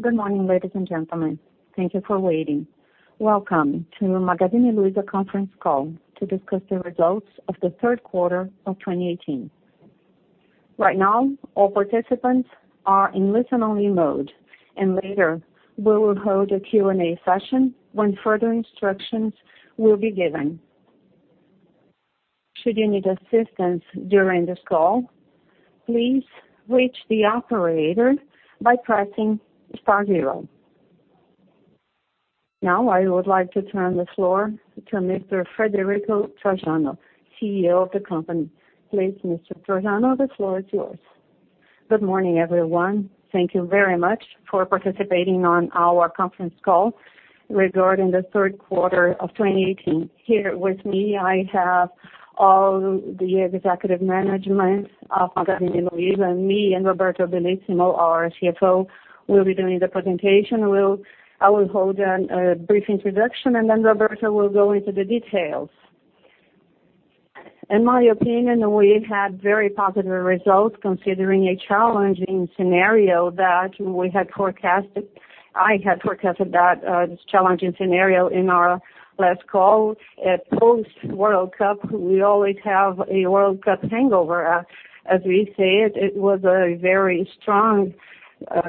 Good morning, ladies and gentlemen. Thank you for waiting. Welcome to the Magazine Luiza conference call to discuss the results of the third quarter of 2018. Right now, all participants are in listen-only mode, and later we will hold a Q&A session when further instructions will be given. Should you need assistance during this call, please reach the operator by pressing star zero. Now, I would like to turn the floor to Mr. Frederico Trajano, CEO of the company. Please, Mr. Trajano, the floor is yours. Good morning, everyone. Thank you very much for participating on our conference call regarding the third quarter of 2018. Here with me, I have all the executive management of Magazine Luiza, and me and Roberto Bellissimo, our CFO, will be doing the presentation. I will hold a brief introduction, and then Roberto will go into the details. In my opinion, we had very positive results considering a challenging scenario that I had forecasted that this challenging scenario in our last call. At post-World Cup, we always have a World Cup hangover, as we say it. It was a very strong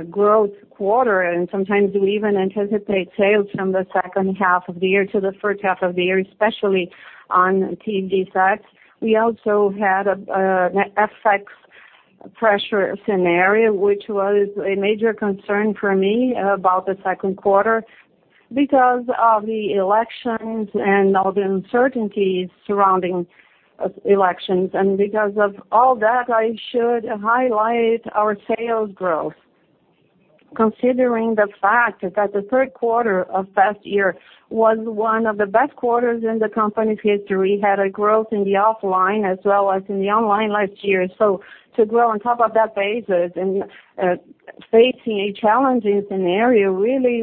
growth quarter, and sometimes we even anticipate sales from the second half of the year to the first half of the year, especially on TV sets. We also had an FX pressure scenario, which was a major concern for me about the second quarter because of the elections and all the uncertainties surrounding elections. Because of all that, I should highlight our sales growth. Considering the fact that the third quarter of last year was one of the best quarters in the company's history, had a growth in the offline as well as in the online last year. To grow on top of that basis and facing a challenging scenario really,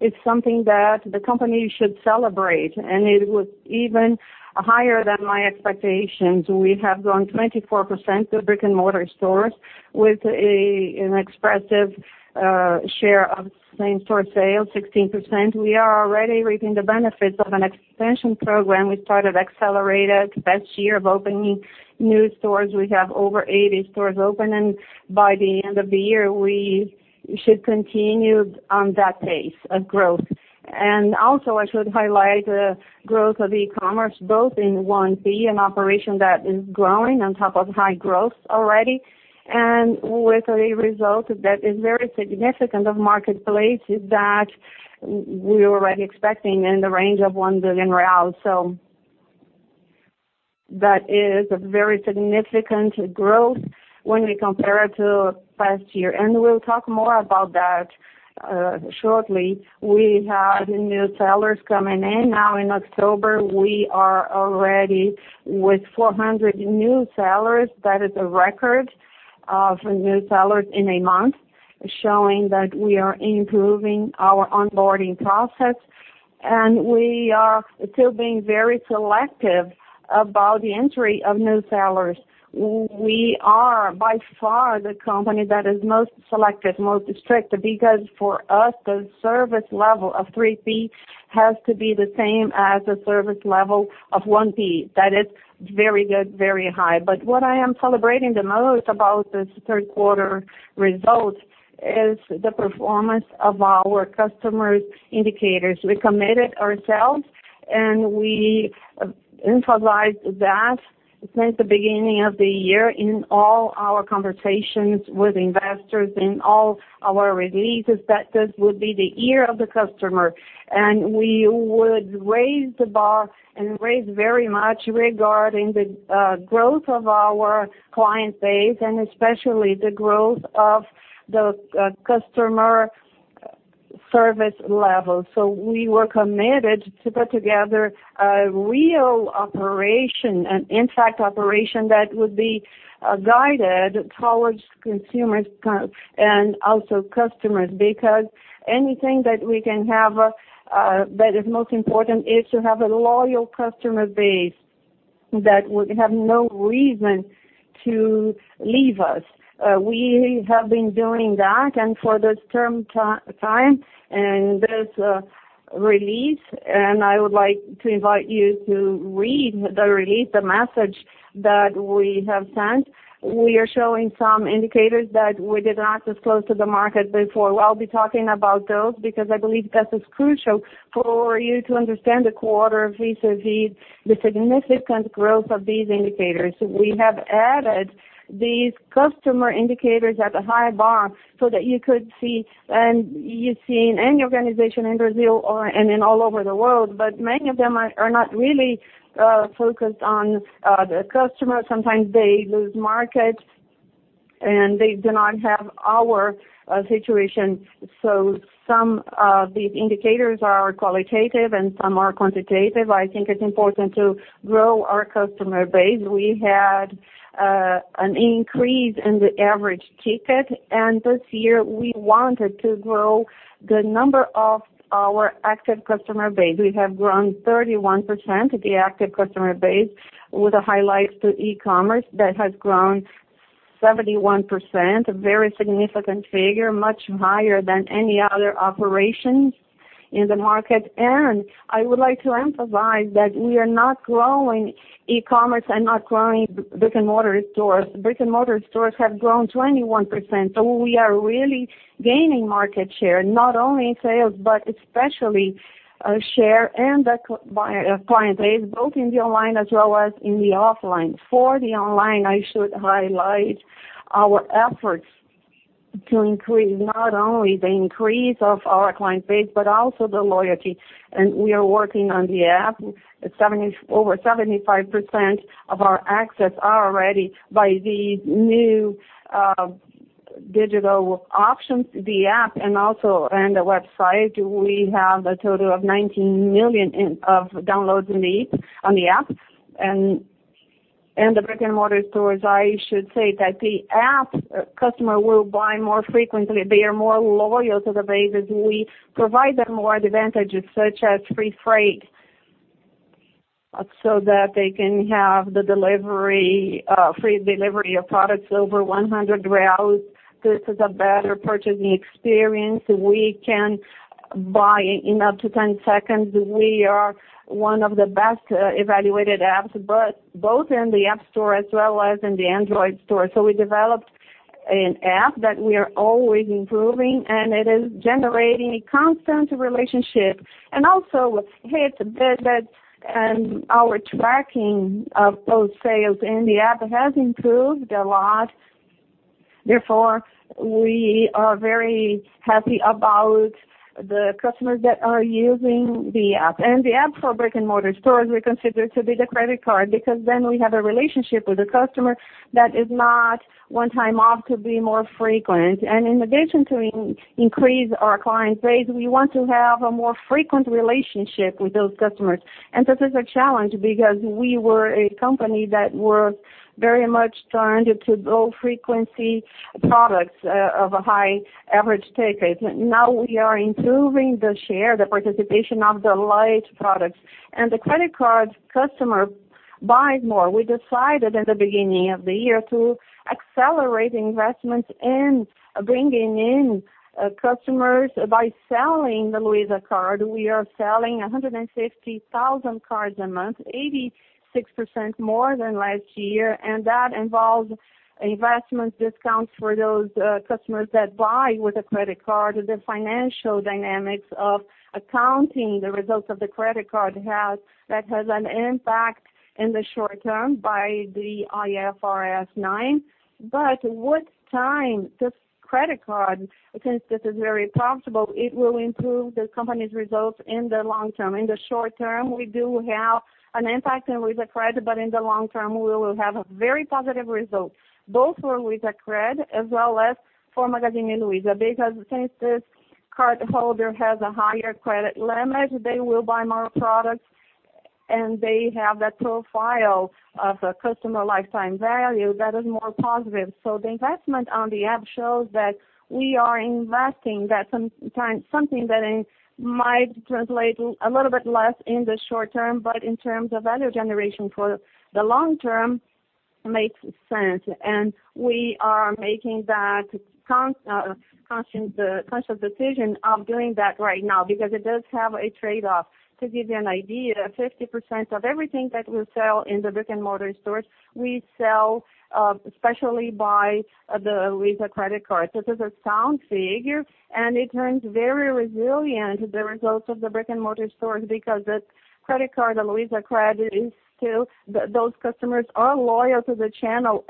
it's something that the company should celebrate, and it was even higher than my expectations. We have grown 24% the brick-and-mortar stores with an expressive share of same-store sales, 16%. We are already reaping the benefits of an expansion program we started accelerated last year of opening new stores. We have over 80 stores open, and by the end of the year, we should continue on that pace of growth. Also, I should highlight the growth of e-commerce, both in 1P, an operation that is growing on top of high growth already, and with a result that is very significant of marketplace that we were already expecting in the range of 1 billion real. That is a very significant growth when we compare it to last year. We'll talk more about that shortly. We had new sellers coming in. Now in October, we are already with 400 new sellers. That is a record of new sellers in a month, showing that we are improving our onboarding process, and we are still being very selective about the entry of new sellers. We are, by far, the company that is most selective, most restricted, because for us, the service level of 3P has to be the same as the service level of 1P. That is very good, very high. What I am celebrating the most about this third quarter results is the performance of our customers' indicators. We committed ourselves, we emphasized that since the beginning of the year in all our conversations with investors, in all our releases, that this would be the year of the customer, and we would raise the bar and raise very much regarding the growth of our client base, and especially the growth of the customer service level. We were committed to put together a real operation, an intact operation that would be guided towards consumers and also customers. Anything that we can have that is most important is to have a loyal customer base that would have no reason to leave us. We have been doing that, and for this term time and this release, and I would like to invite you to read the release, the message that we have sent. We are showing some indicators that we did not disclose to the market before. We'll be talking about those because I believe this is crucial for you to understand the quarter vis-à-vis the significant growth of these indicators. We have added these customer indicators at a high bar so that you could see, and you see in any organization in Brazil or/and in all over the world, but many of them are not really focused on the customer. Sometimes they lose markets, and they do not have our situation. Some of these indicators are qualitative and some are quantitative. I think it's important to grow our customer base. We had an increase in the average ticket, and this year we wanted to grow the number of our active customer base. We have grown 31%, the active customer base, with a highlight to e-commerce that has grown 71%, a very significant figure, much higher than any other operations in the market. I would like to emphasize that we are not growing e-commerce and not growing brick-and-mortar stores. Brick-and-mortar stores have grown 21%. We are really gaining market share, not only in sales, but especially share and the client base, both in the online as well as in the offline. For the online, I should highlight our efforts to increase not only the increase of our client base, but also the loyalty. We are working on the app. Over 75% of our access are already by the new digital options, the app, and the website. We have a total of 19 million of downloads made on the app. The brick-and-mortar stores, I should say that the app customer will buy more frequently. They are more loyal to the base as we provide them more advantages, such as free freight, so that they can have the free delivery of products over 100 reais. This is a better purchasing experience. We can buy in up to 10 seconds. We are one of the best evaluated apps, both in the App Store as well as in the Android store. We developed an app that we are always improving, and it is generating a constant relationship. Also with hit, visit, and our tracking of those sales in the app has improved a lot. Therefore, we are very happy about the customers that are using the app. The app for brick-and-mortar stores, we consider to be the credit card, because then we have a relationship with the customer that is not one time off to be more frequent. In addition to increase our client base, we want to have a more frequent relationship with those customers. This is a challenge because we were a company that was very much turned to low frequency products of a high average ticket. Now we are improving the share, the participation of the light products. The credit card customer buys more. We decided in the beginning of the year to accelerate investments in bringing in customers by selling the Luiza Card. We are selling 150,000 cards a month, 86% more than last year, and that involves investment discounts for those customers that buy with a credit card. The financial dynamics of accounting the results of the credit card has an impact in the short term by the IFRS 9. With time, this credit card, since this is very profitable, it will improve the company's results in the long term. In the short term, we do have an impact in LuizaCred, but in the long term, we will have a very positive result, both for LuizaCred as well as for Magazine Luiza. Since this cardholder has a higher credit limit, they will buy more products, and they have that profile of a customer lifetime value that is more positive. The investment on the app shows that we are investing something that might translate a little bit less in the short term, but in terms of value generation for the long term, makes sense. We are making that conscious decision of doing that right now because it does have a trade-off. To give you an idea, 50% of everything that we sell in the brick-and-mortar stores, we sell especially by the Luiza Card. This is a sound figure, and it turns very resilient the results of the brick-and-mortar stores because the credit card, the LuizaCred is still those customers are loyal to the channel.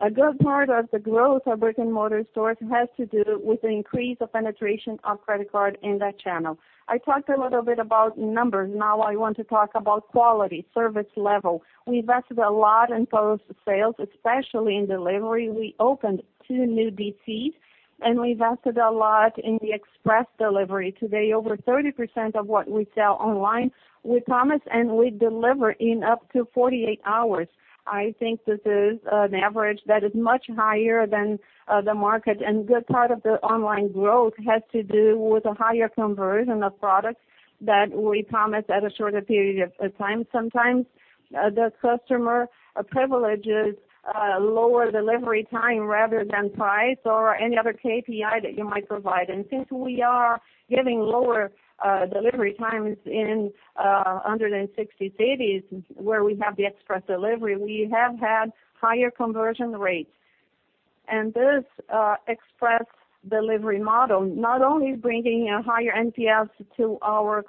A good part of the growth of brick-and-mortar stores has to do with the increase of penetration of credit card in that channel. I talked a little bit about numbers. Now I want to talk about quality, service level. We invested a lot in post-sales, especially in delivery. We opened two new DCs, and we invested a lot in the express delivery. Today, over 30% of what we sell online, we promise and we deliver in up to 48 hours. I think this is an average that is much higher than the market. A good part of the online growth has to do with a higher conversion of products that we promise at a shorter period of time. Sometimes the customer privileges lower delivery time rather than price or any other KPI that you might provide. Since we are giving lower delivery times in 160 cities where we have the express delivery, we have had higher conversion rates. This express delivery model not only bringing a higher NPS to our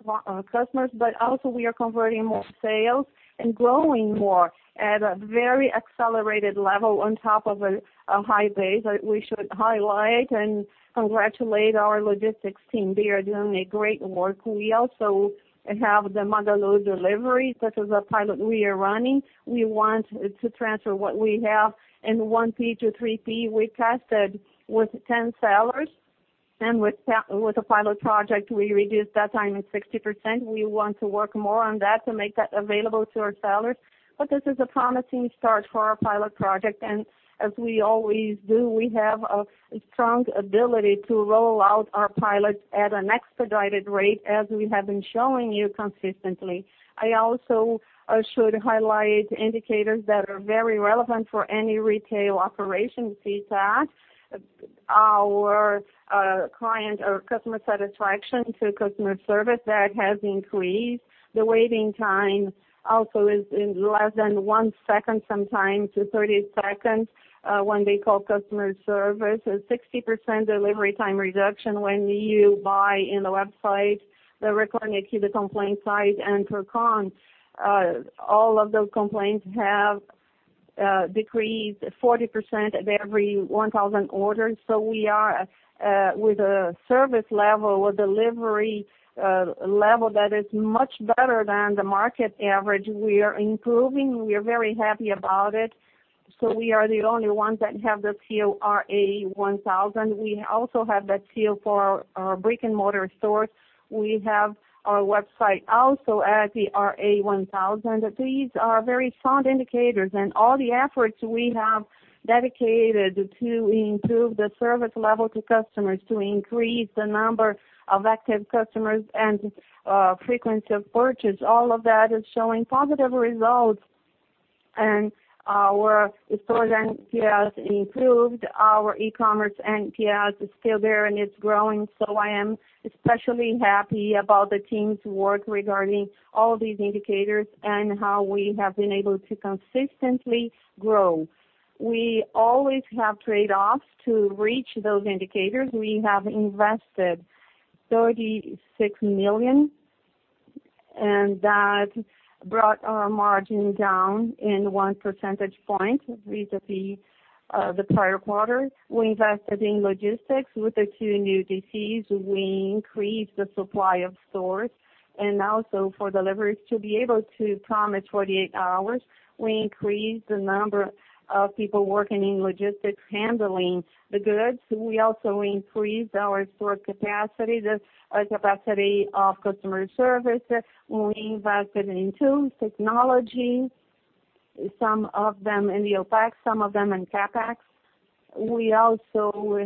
customers, but also we are converting more sales and growing more at a very accelerated level on top of a high base that we should highlight and congratulate our logistics team. They are doing a great work. We also have the Magalu delivery. This is a pilot we are running. We want to transfer what we have in 1P to 3P. We tested with 10 sellers. With the pilot project, we reduced that time by 60%. We want to work more on that to make that available to our sellers. This is a promising start for our pilot project, and as we always do, we have a strong ability to roll out our pilots at an expedited rate as we have been showing you consistently. I also should highlight indicators that are very relevant for any retail operation. [inaudible] Our customer satisfaction to customer service, that has increased. The waiting time also is less than one second, sometimes to 30 seconds, when they call customer service. A 60% delivery time reduction when you buy on the website. The Reclame AQUI, the complaint site, and Procon, all of those complaints have decreased 40% of every 1,000 orders. We are with a service level, a delivery level that is much better than the market average. We are improving. We are very happy about it. We are the only ones that have the Selo RA1000. We also have that seal for our brick-and-mortar stores. We have our website also at the RA1000. These are very sound indicators, and all the efforts we have dedicated to improve the service level to customers, to increase the number of active customers and frequency of purchase, all of that is showing positive results. Our store NPS improved. Our e-commerce NPS is still there, and it's growing. I am especially happy about the team's work regarding all these indicators and how we have been able to consistently grow. We always have trade-offs to reach those indicators. We have invested 36 million, and that brought our margin down in one percentage point vis-à-vis the prior quarter. We invested in logistics with the two new DCs. We increased the supply of stores and also for deliveries. To be able to promise 48 hours, we increased the number of people working in logistics, handling the goods. We also increased our store capacity, the capacity of customer service. We invested in tools, technology, some of them in the OPEX, some of them in CapEx. We also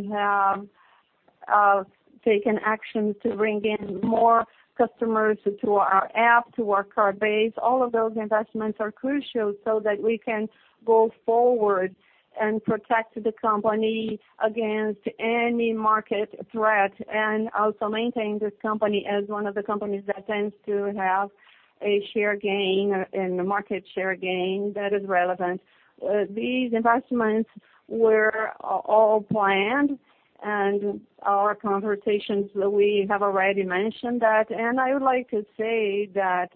have taken action to bring in more customers to our app, to our card base. All of those investments are crucial so that we can go forward and protect the company against any market threat and also maintain this company as one of the companies that tends to have a share gain and a market share gain that is relevant. These investments were all planned. Our conversations, we have already mentioned that. I would like to say that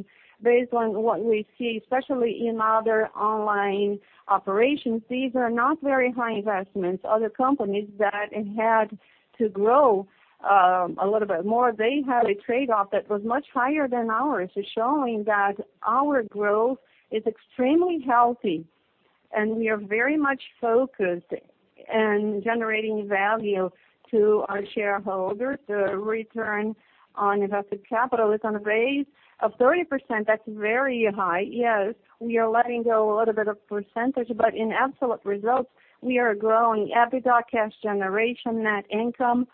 based on what we see, especially in other online operations, these are not very high investments. Other companies that had to grow a little bit more, they had a trade-off that was much higher than ours, showing that our growth is extremely healthy, and we are very much focused on generating value to our shareholders. The return on invested capital is on the raise of 30%. That's very high. Yes, we are letting go a little bit of percentage, but in absolute results, we are growing EBITDA cash generation net income.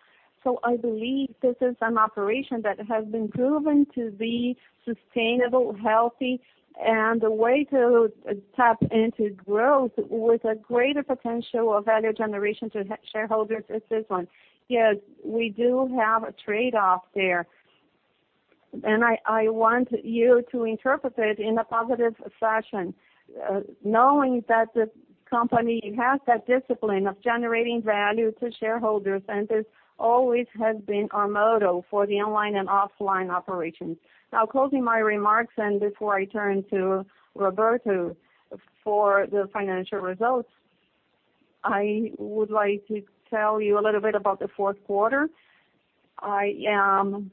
I believe this is an operation that has been proven to be sustainable, healthy, and the way to tap into growth with a greater potential of value generation to shareholders is this one. Yes, we do have a trade-off there, and I want you to interpret it in a positive fashion, knowing that the company has that discipline of generating value to shareholders, and this always has been our motto for the online and offline operations. Closing my remarks, and before I turn to Roberto for the financial results, I would like to tell you a little bit about the fourth quarter. I am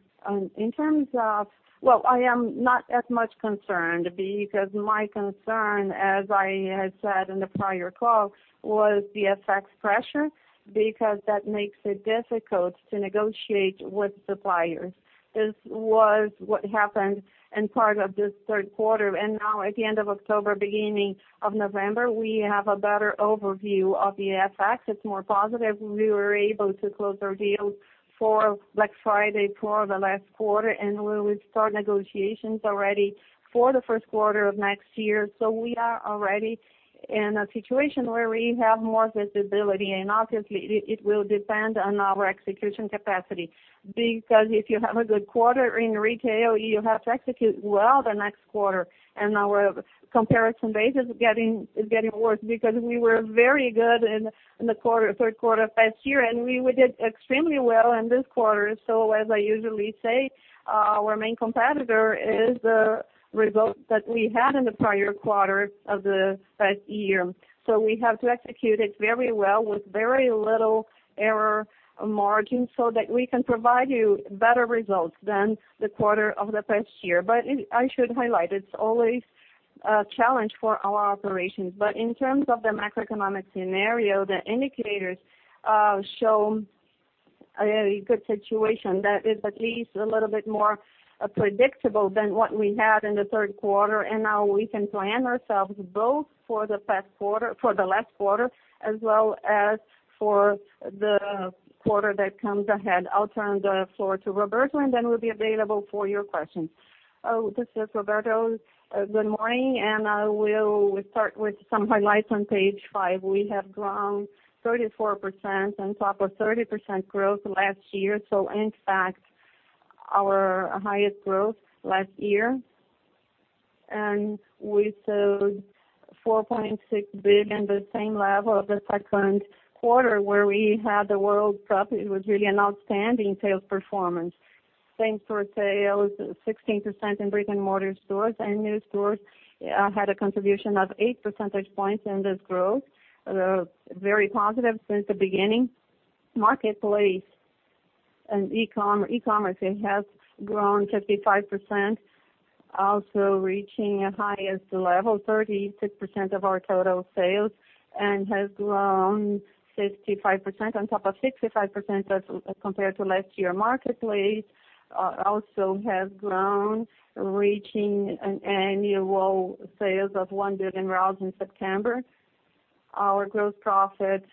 not as much concerned because my concern, as I had said in the prior call, was the FX pressure, because that makes it difficult to negotiate with suppliers. This was what happened in part of this third quarter. At the end of October, beginning of November, we have a better overview of the FX. It is more positive. We were able to close our deals for Black Friday for the last quarter, and we will start negotiations already for the first quarter of next year. We are already in a situation where we have more visibility, and obviously it will depend on our execution capacity. Because if you have a good quarter in retail, you have to execute well the next quarter. Our comparison base is getting worse because we were very good in the third quarter of last year, and we did extremely well in this quarter. As I usually say, our main competitor is the result that we had in the prior quarter of the past year. We have to execute it very well with very little error margin so that we can provide you better results than the quarter of the past year. I should highlight, it is always a challenge for our operations. In terms of the macroeconomic scenario, the indicators show a very good situation that is at least a little bit more predictable than what we had in the third quarter. We can plan ourselves both for the last quarter, as well as for the quarter that comes ahead. I will turn the floor to Roberto, and then we will be available for your questions. This is Roberto. Good morning. I will start with some highlights on page five. We have grown 34% on top of 30% growth last year, so in fact, our highest growth last year. We sold 4.6 billion, the same level of the second quarter where we had the world's top. It was really an outstanding sales performance. Same-store sales, 16% in brick-and-mortar stores, and new stores had a contribution of eight percentage points in this growth. Very positive since the beginning. Marketplace and e-commerce has grown 55%, also reaching the highest level, 36% of our total sales, and has grown 55% on top of 65% as compared to last year. Marketplace also has grown, reaching annual sales of 1 billion in September. Our gross profit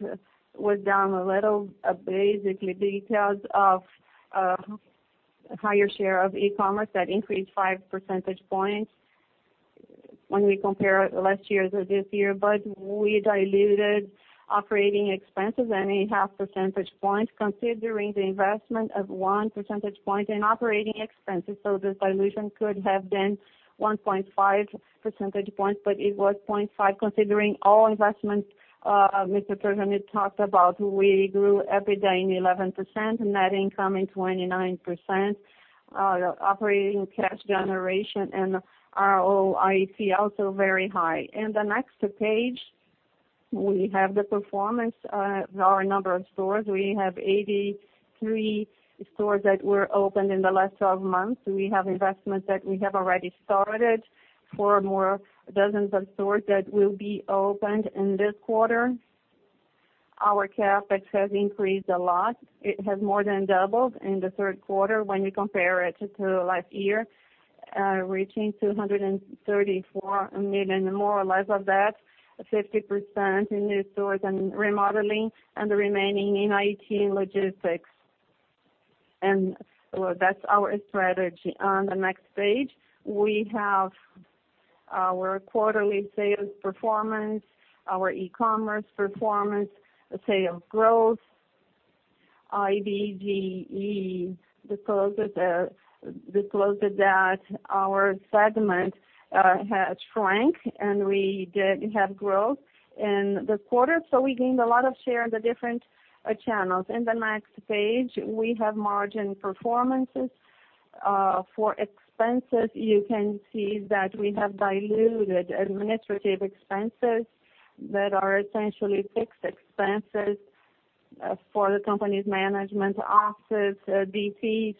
was down a little, basically because of a higher share of e-commerce that increased five percentage points when we compare last year to this year. We diluted operating expenses only half percentage points, considering the investment of one percentage point in operating expenses. This dilution could have been 1.5 percentage points, but it was 0.5, considering all investments Mr. Trajano talked about. We grew EBITDA 11%, net income and 29%. Operating cash generation and ROIC also very high. In the next page, we have the performance of our number of stores. We have 83 stores that were opened in the last 12 months. We have investments that we have already started for more dozens of stores that will be opened in this quarter. Our CapEx has increased a lot. It has more than doubled in the third quarter when you compare it to last year, reaching 234 million, more or less of that, 50% in new stores and remodeling, and the remaining in IT and logistics. That's our strategy. On the next page, we have our quarterly sales performance, our e-commerce performance, sales growth. IBGE disclosed that our segment had shrank, and we did have growth in the quarter. We gained a lot of share in the different channels. In the next page, we have margin performances. For expenses, you can see that we have diluted administrative expenses that are essentially fixed expenses for the company's management offices, DCs.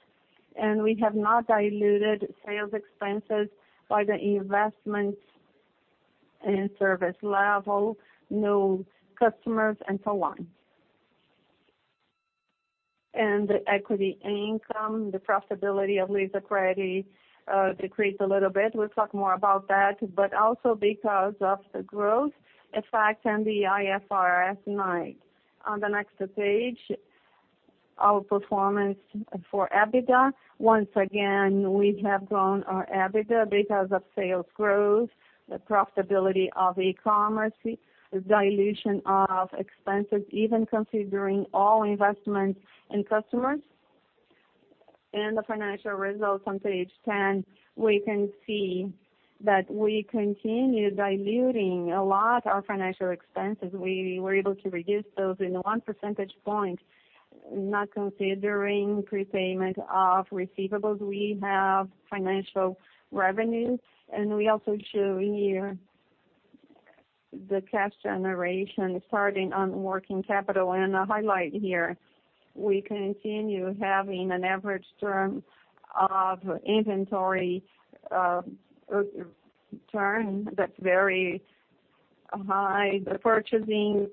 We have not diluted sales expenses by the investment in service level, new customers, and so on. The equity income, the profitability of lease equity decreased a little bit. We'll talk more about that. Also because of the growth effect and the IFRS 9. On the next page, our performance for EBITDA. Once again, we have grown our EBITDA because of sales growth, the profitability of e-commerce, dilution of expenses, even considering all investments in customers. The financial results on page 10, we can see that we continue diluting a lot our financial expenses. We were able to reduce those in one percentage point, not considering prepayment of receivables. We have financial revenues, and we also show here the cash generation starting on working capital. The highlight here, we continue having an average term of inventory turn that's very high, the purchasing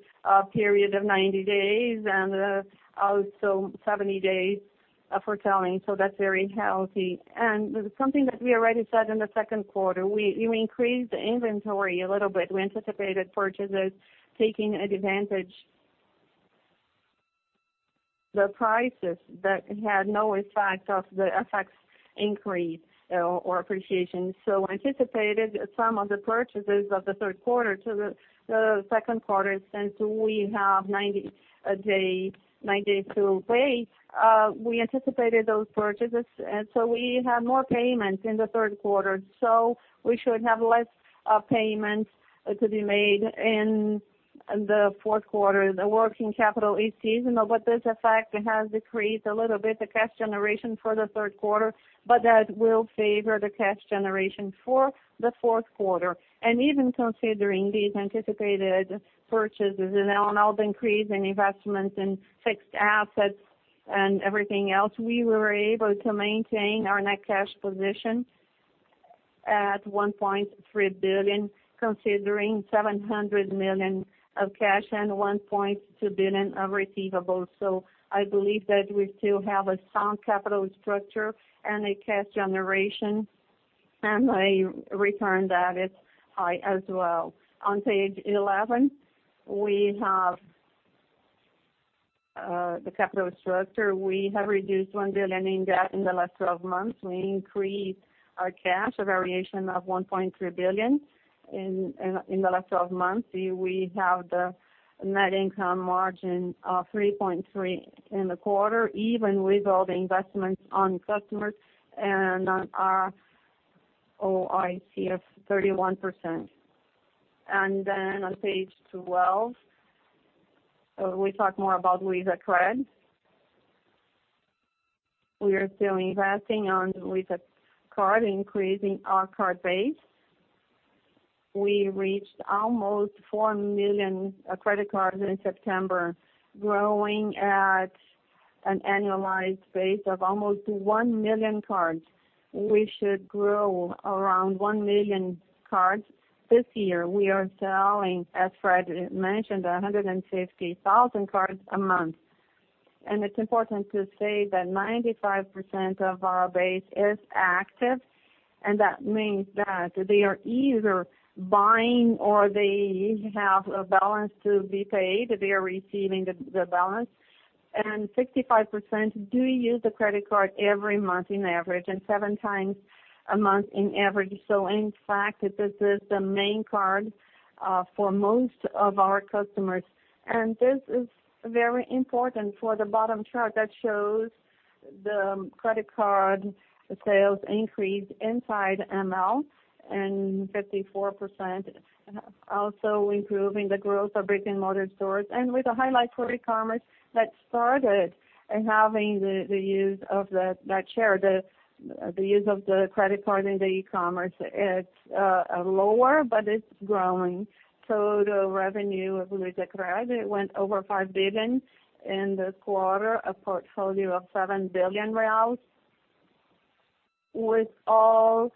period of 90 days, and also 70 days for selling. That's very healthy. Something that we already said in the second quarter, we increased the inventory a little bit. We anticipated purchases, taking advantage the prices that had no effect of the FX increase or appreciation. We anticipated some of the purchases of the third quarter to the second quarter since we have 90 days to pay. We anticipated those purchases, we had more payments in the third quarter. We should have less payments to be made in the fourth quarter. The working capital is seasonal, but this effect has decreased a little bit, the cash generation for the third quarter, but that will favor the cash generation for the fourth quarter. Even considering these anticipated purchases and all the increase in investments in fixed assets and everything else, we were able to maintain our net cash position at 1.3 billion, considering 700 million of cash and 1.2 billion of receivables. I believe that we still have a sound capital structure and a cash generation, and a return that is high as well. On page 11, we have the capital structure. We have reduced 1 billion in debt in the last 12 months. We increased our cash, a variation of 1.3 billion in the last 12 months. We have the net income margin of 3.3 in the quarter, even with all the investments on customers and on our ROIC of 31%. On page 12, we talk more about Luiza Card. We are still investing on Luiza Card, increasing our card base. We reached almost 4 million credit cards in September, growing at an annualized base of almost 1 million cards. We should grow around 1 million cards this year. We are selling, as Fred mentioned, 150,000 cards a month. It's important to say that 95% of our base is active, and that means that they are either buying or they have a balance to be paid, they are receiving the balance. 65% do use the credit card every month in average, and 7 times a month on average. In fact, this is the main card for most of our customers. This is very important for the bottom chart that shows the credit card sales increase inside ML and 54% also improving the growth of brick-and-mortar stores. With a highlight for e-commerce that started having the use of that share, the use of the credit card in the e-commerce. It's lower, but it's growing. The revenue of LuizaCred, it went over 5 billion in the quarter, a portfolio of 7 billion reais with all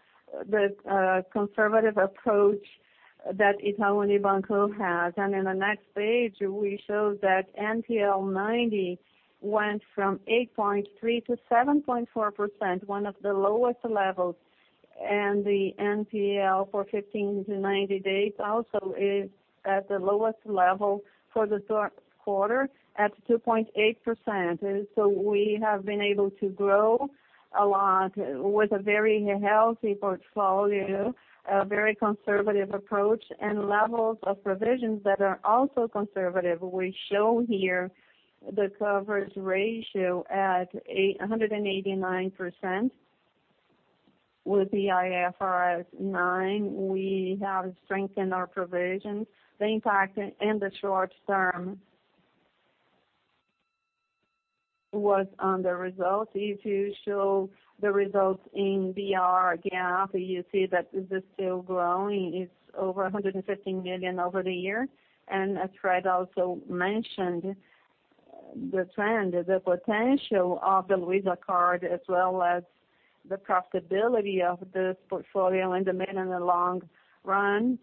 the conservative approach that Itaú Unibanco has. In the next page, we show that NPL90 went from 8.3% to 7.4%, one of the lowest levels. The NPL for 15-90 days also is at the lowest level for the third quarter at 2.8%. We have been able to grow a lot with a very healthy portfolio, a very conservative approach, and levels of provisions that are also conservative. We show here the coverage ratio at 189% with the IFRS 9. We have strengthened our provisions. The impact in the short term was on the results. If you show the results in BR GAAP, you see that this is still growing. It's over 150 million over the year. As Fred also mentioned, the trend, the potential of the Luiza Card as well as the profitability of this portfolio in the mid and the long run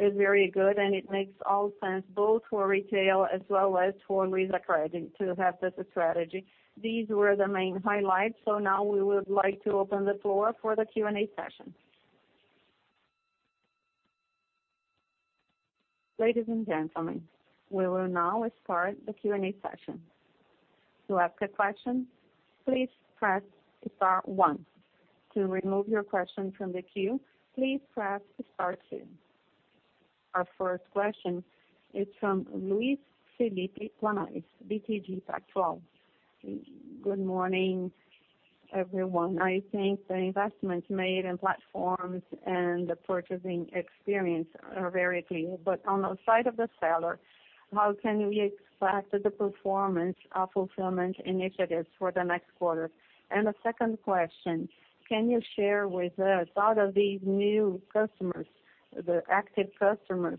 is very good, and it makes all sense both for retail as well as for LuizaCred to have this strategy. These were the main highlights. Now we would like to open the floor for the Q&A session. Ladies and gentlemen, we will now start the Q&A session. To ask a question, please press star one. To remove your question from the queue, please press star two. Our first question is from Luiz Felipe Guanais, BTG Pactual. Good morning, everyone. I think the investments made in platforms and the purchasing experience are very clear. On the side of the seller, how can we expect the performance of fulfillment initiatives for the next quarter? The second question, can you share with us, out of these new customers, the active customers,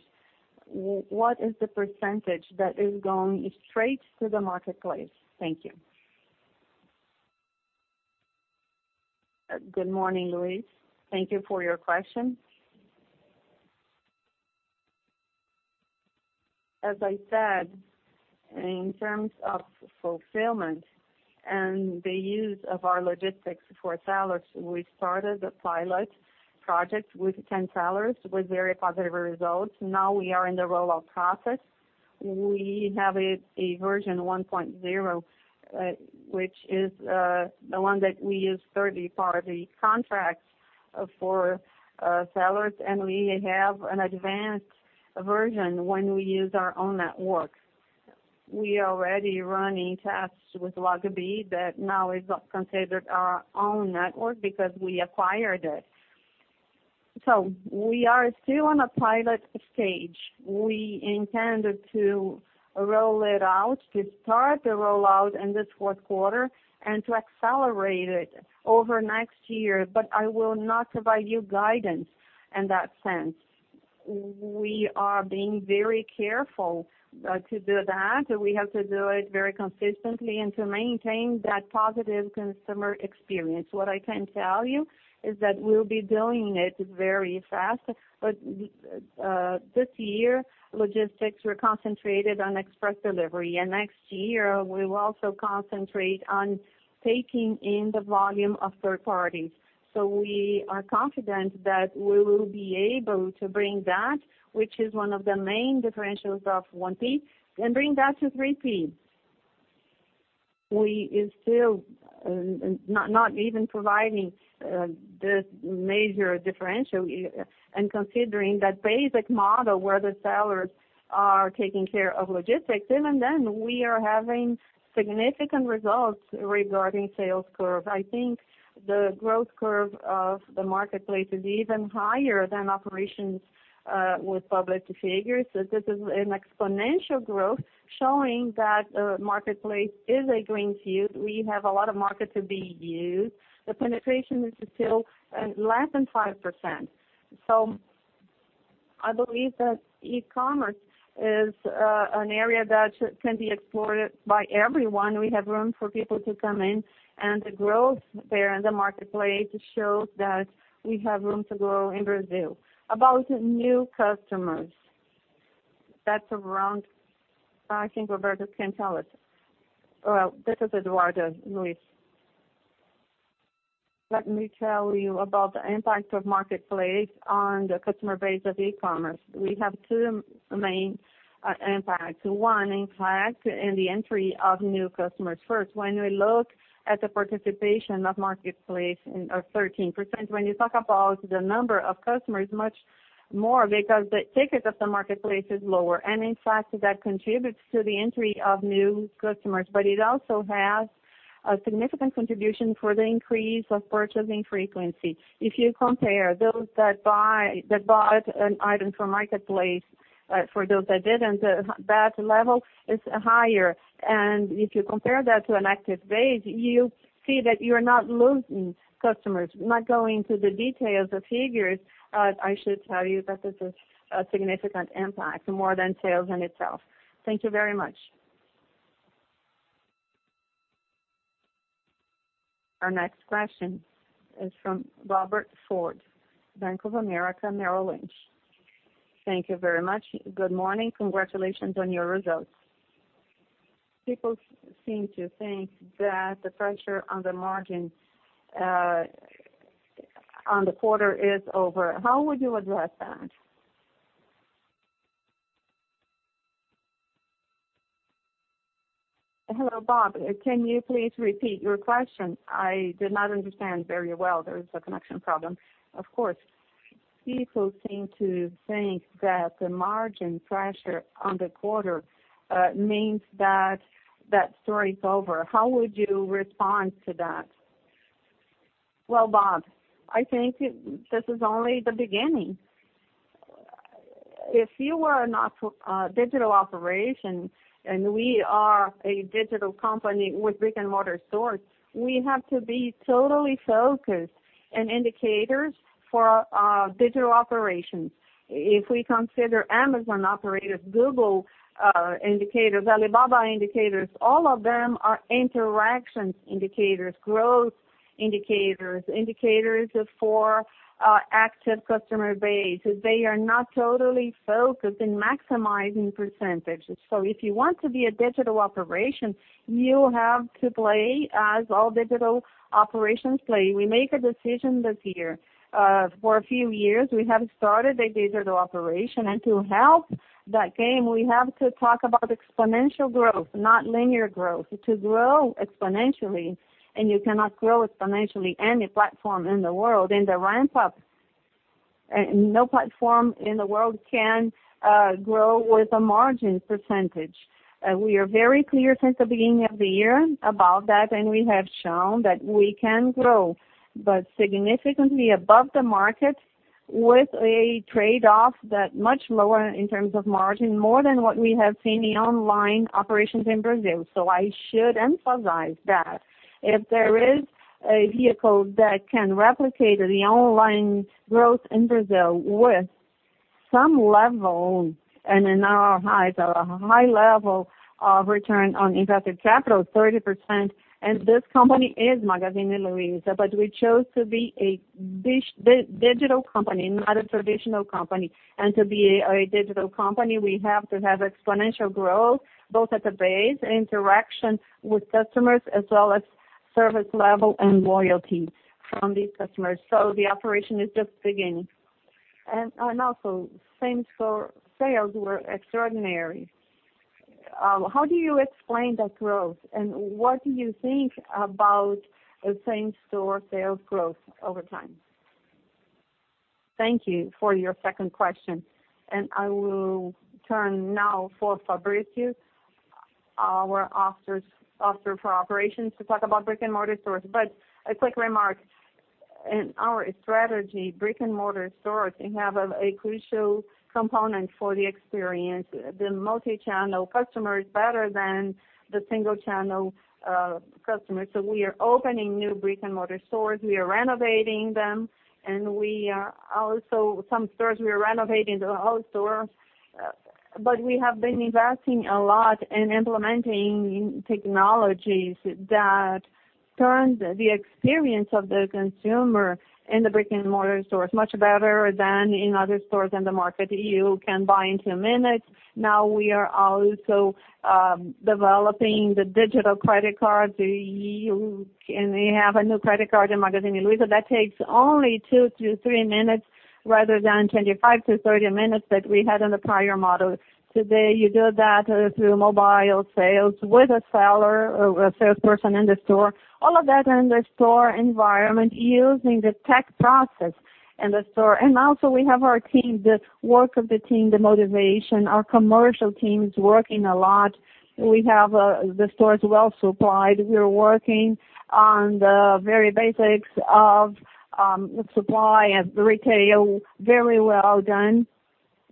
what is the percentage that is going straight to the marketplace? Thank you. Good morning, Luiz. Thank you for your question. As I said, in terms of fulfillment and the use of our logistics for sellers, we started a pilot project with 10 sellers with very positive results. Now we are in the rollout process. We have a version 1.0, which is the one that we use third-party contracts for sellers, and we have an advanced version when we use our own network. We already running tests with Logbee that now is considered our own network because we acquired it. We are still in a pilot stage. We intended to roll it out, to start the rollout in this fourth quarter and to accelerate it over next year, but I will not provide you guidance in that sense. We are being very careful to do that. We have to do it very consistently and to maintain that positive consumer experience. What I can tell you is that we will be doing it very fast. This year, logistics were concentrated on express delivery, and next year we will also concentrate on taking in the volume of third parties. We are confident that we will be able to bring that, which is one of the main differentials of 1P, and bring that to 3P. We are still not even providing this major differential and considering that basic model where the sellers are taking care of logistics, and even then, we are having significant results regarding sales curve. I think the growth curve of the marketplace is even higher than operations with public figures. This is an exponential growth showing that the marketplace is a green field. We have a lot of market to be used. The penetration is still less than 5%. I believe that e-commerce is an area that can be explored by everyone. We have room for people to come in, and the growth there in the marketplace shows that we have room to grow in Brazil. About new customers. That is around, I think Roberto can tell it. Well, this is Roberto Luiz. Let me tell you about the impact of marketplace on the customer base of e-commerce. We have two main impacts. One impact in the entry of new customers first. When we look at the participation of marketplace of 13%, when you talk about the number of customers, much more because the ticket of the marketplace is lower. And in fact, that contributes to the entry of new customers, but it also has a significant contribution for the increase of purchasing frequency. If you compare those that bought an item from marketplace, for those that didn't, that level is higher. If you compare that to an active base, you see that you are not losing customers. Not going into the details of figures, I should tell you that this is a significant impact, more than sales in itself. Thank you very much. Our next question is from Robert Ford, Bank of America Merrill Lynch. Thank you very much. Good morning. Congratulations on your results. People seem to think that the pressure on the margin on the quarter is over. How would you address that? Hello, Bob. Can you please repeat your question? I did not understand very well. There is a connection problem. Of course. People seem to think that the margin pressure on the quarter means that that story is over. How would you respond to that? Well, Bob, I think this is only the beginning. If you were a digital operation, and we are a digital company with brick-and-mortar stores, we have to be totally focused on indicators for our digital operations. If we consider Amazon operators, Google indicators, Alibaba indicators, all of them are interaction indicators, growth indicators for active customer base. They are not totally focused in maximizing percentages. If you want to be a digital operation, you have to play as all digital operations play. We make a decision this year. For a few years, we have started a digital operation, to help that game, we have to talk about exponential growth, not linear growth. To grow exponentially, you cannot grow exponentially any platform in the world, in the ramp up. No platform in the world can grow with a margin percentage. We are very clear since the beginning of the year about that, we have shown that we can grow, but significantly above the market with a trade-off that much lower in terms of margin, more than what we have seen in online operations in Brazil. I should emphasize that if there is a vehicle that can replicate the online growth in Brazil with some level, in our highs, a high level of return on invested capital, 30%, this company is Magazine Luiza. We chose to be a digital company, not a traditional company. To be a digital company, we have to have exponential growth, both at the base, interaction with customers, as well as service level and loyalty from these customers. The operation is just beginning. Also, same-store sales were extraordinary. How do you explain that growth, and what do you think about same-store sales growth over time? Thank you for your second question. I will turn now for Fabricio, our officer for operations, to talk about brick-and-mortar stores. A quick remark. In our strategy, brick-and-mortar stores have a crucial component for the experience. The multi-channel customer is better than the single-channel customer. We are opening new brick-and-mortar stores. We are renovating them, also some stores we are renovating the whole store. We have been investing a lot in implementing technologies that turn the experience of the consumer in the brick-and-mortar stores much better than in other stores in the market. You can buy in two minutes. Now we are also developing the digital credit card. We have a new credit card in Magazine Luiza that takes only two to three minutes, rather than 25 to 30 minutes that we had in the prior model. Today, you do that through mobile sales with a salesperson in the store. All of that in the store environment using the tech process in the store. Also we have our team, the work of the team, the motivation. Our commercial team is working a lot. We have the stores well supplied. We are working on the very basics of supply and retail, very well done.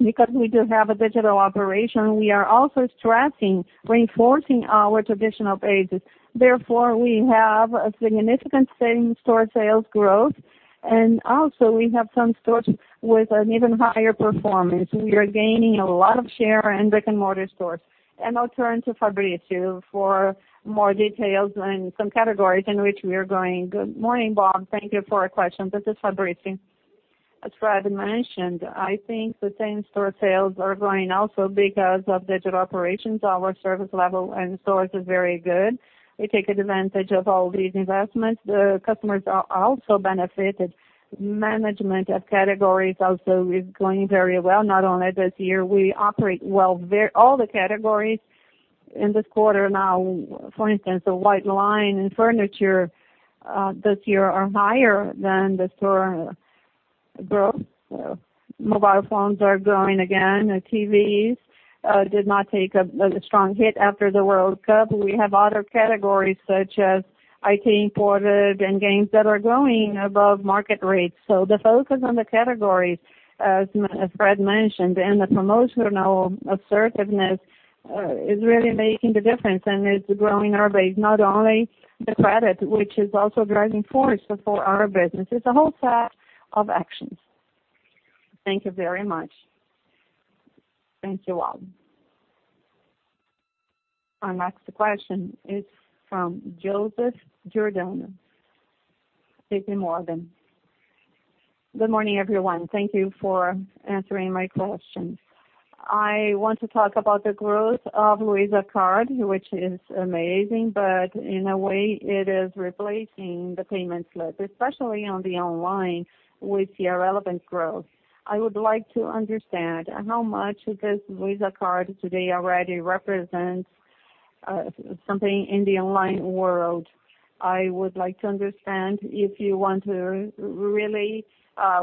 Because we do have a digital operation, we are also stressing reinforcing our traditional bases. Therefore, we have a significant same-store sales growth, also we have some stores with an even higher performance. We are gaining a lot of share in brick-and-mortar stores. I'll turn to Fabricio for more details and some categories in which we are growing. Good morning, Bob. Thank you for your question. This is Fabricio. As Fred mentioned, I think the same-store sales are growing also because of digital operations. Our service level in stores is very good. We take advantage of all these investments. The customers are also benefited. Management of categories also is growing very well, not only this year. We operate well all the categories in this quarter now. For instance, the white line and furniture this year are higher than the store growth. Mobile phones are growing again. TVs did not take a strong hit after the World Cup. We have other categories such as IT, ported, and games that are growing above market rates. The focus on the categories, as Fred mentioned, and the promotional assertiveness is really making the difference and is growing our base. Not only the credit, which is also a driving force for our business. It is a whole set of actions. Thank you very much. Thank you all. Our next question is from Joseph Giordano, J.P. Morgan. Good morning, everyone. Thank you for answering my questions. I want to talk about the growth of Luiza Card, which is amazing, but in a way, it is replacing the payment slip, especially on the online with your relevant growth. I would like to understand how much this Luiza Card today already represents something in the online world. I would like to understand if you want to really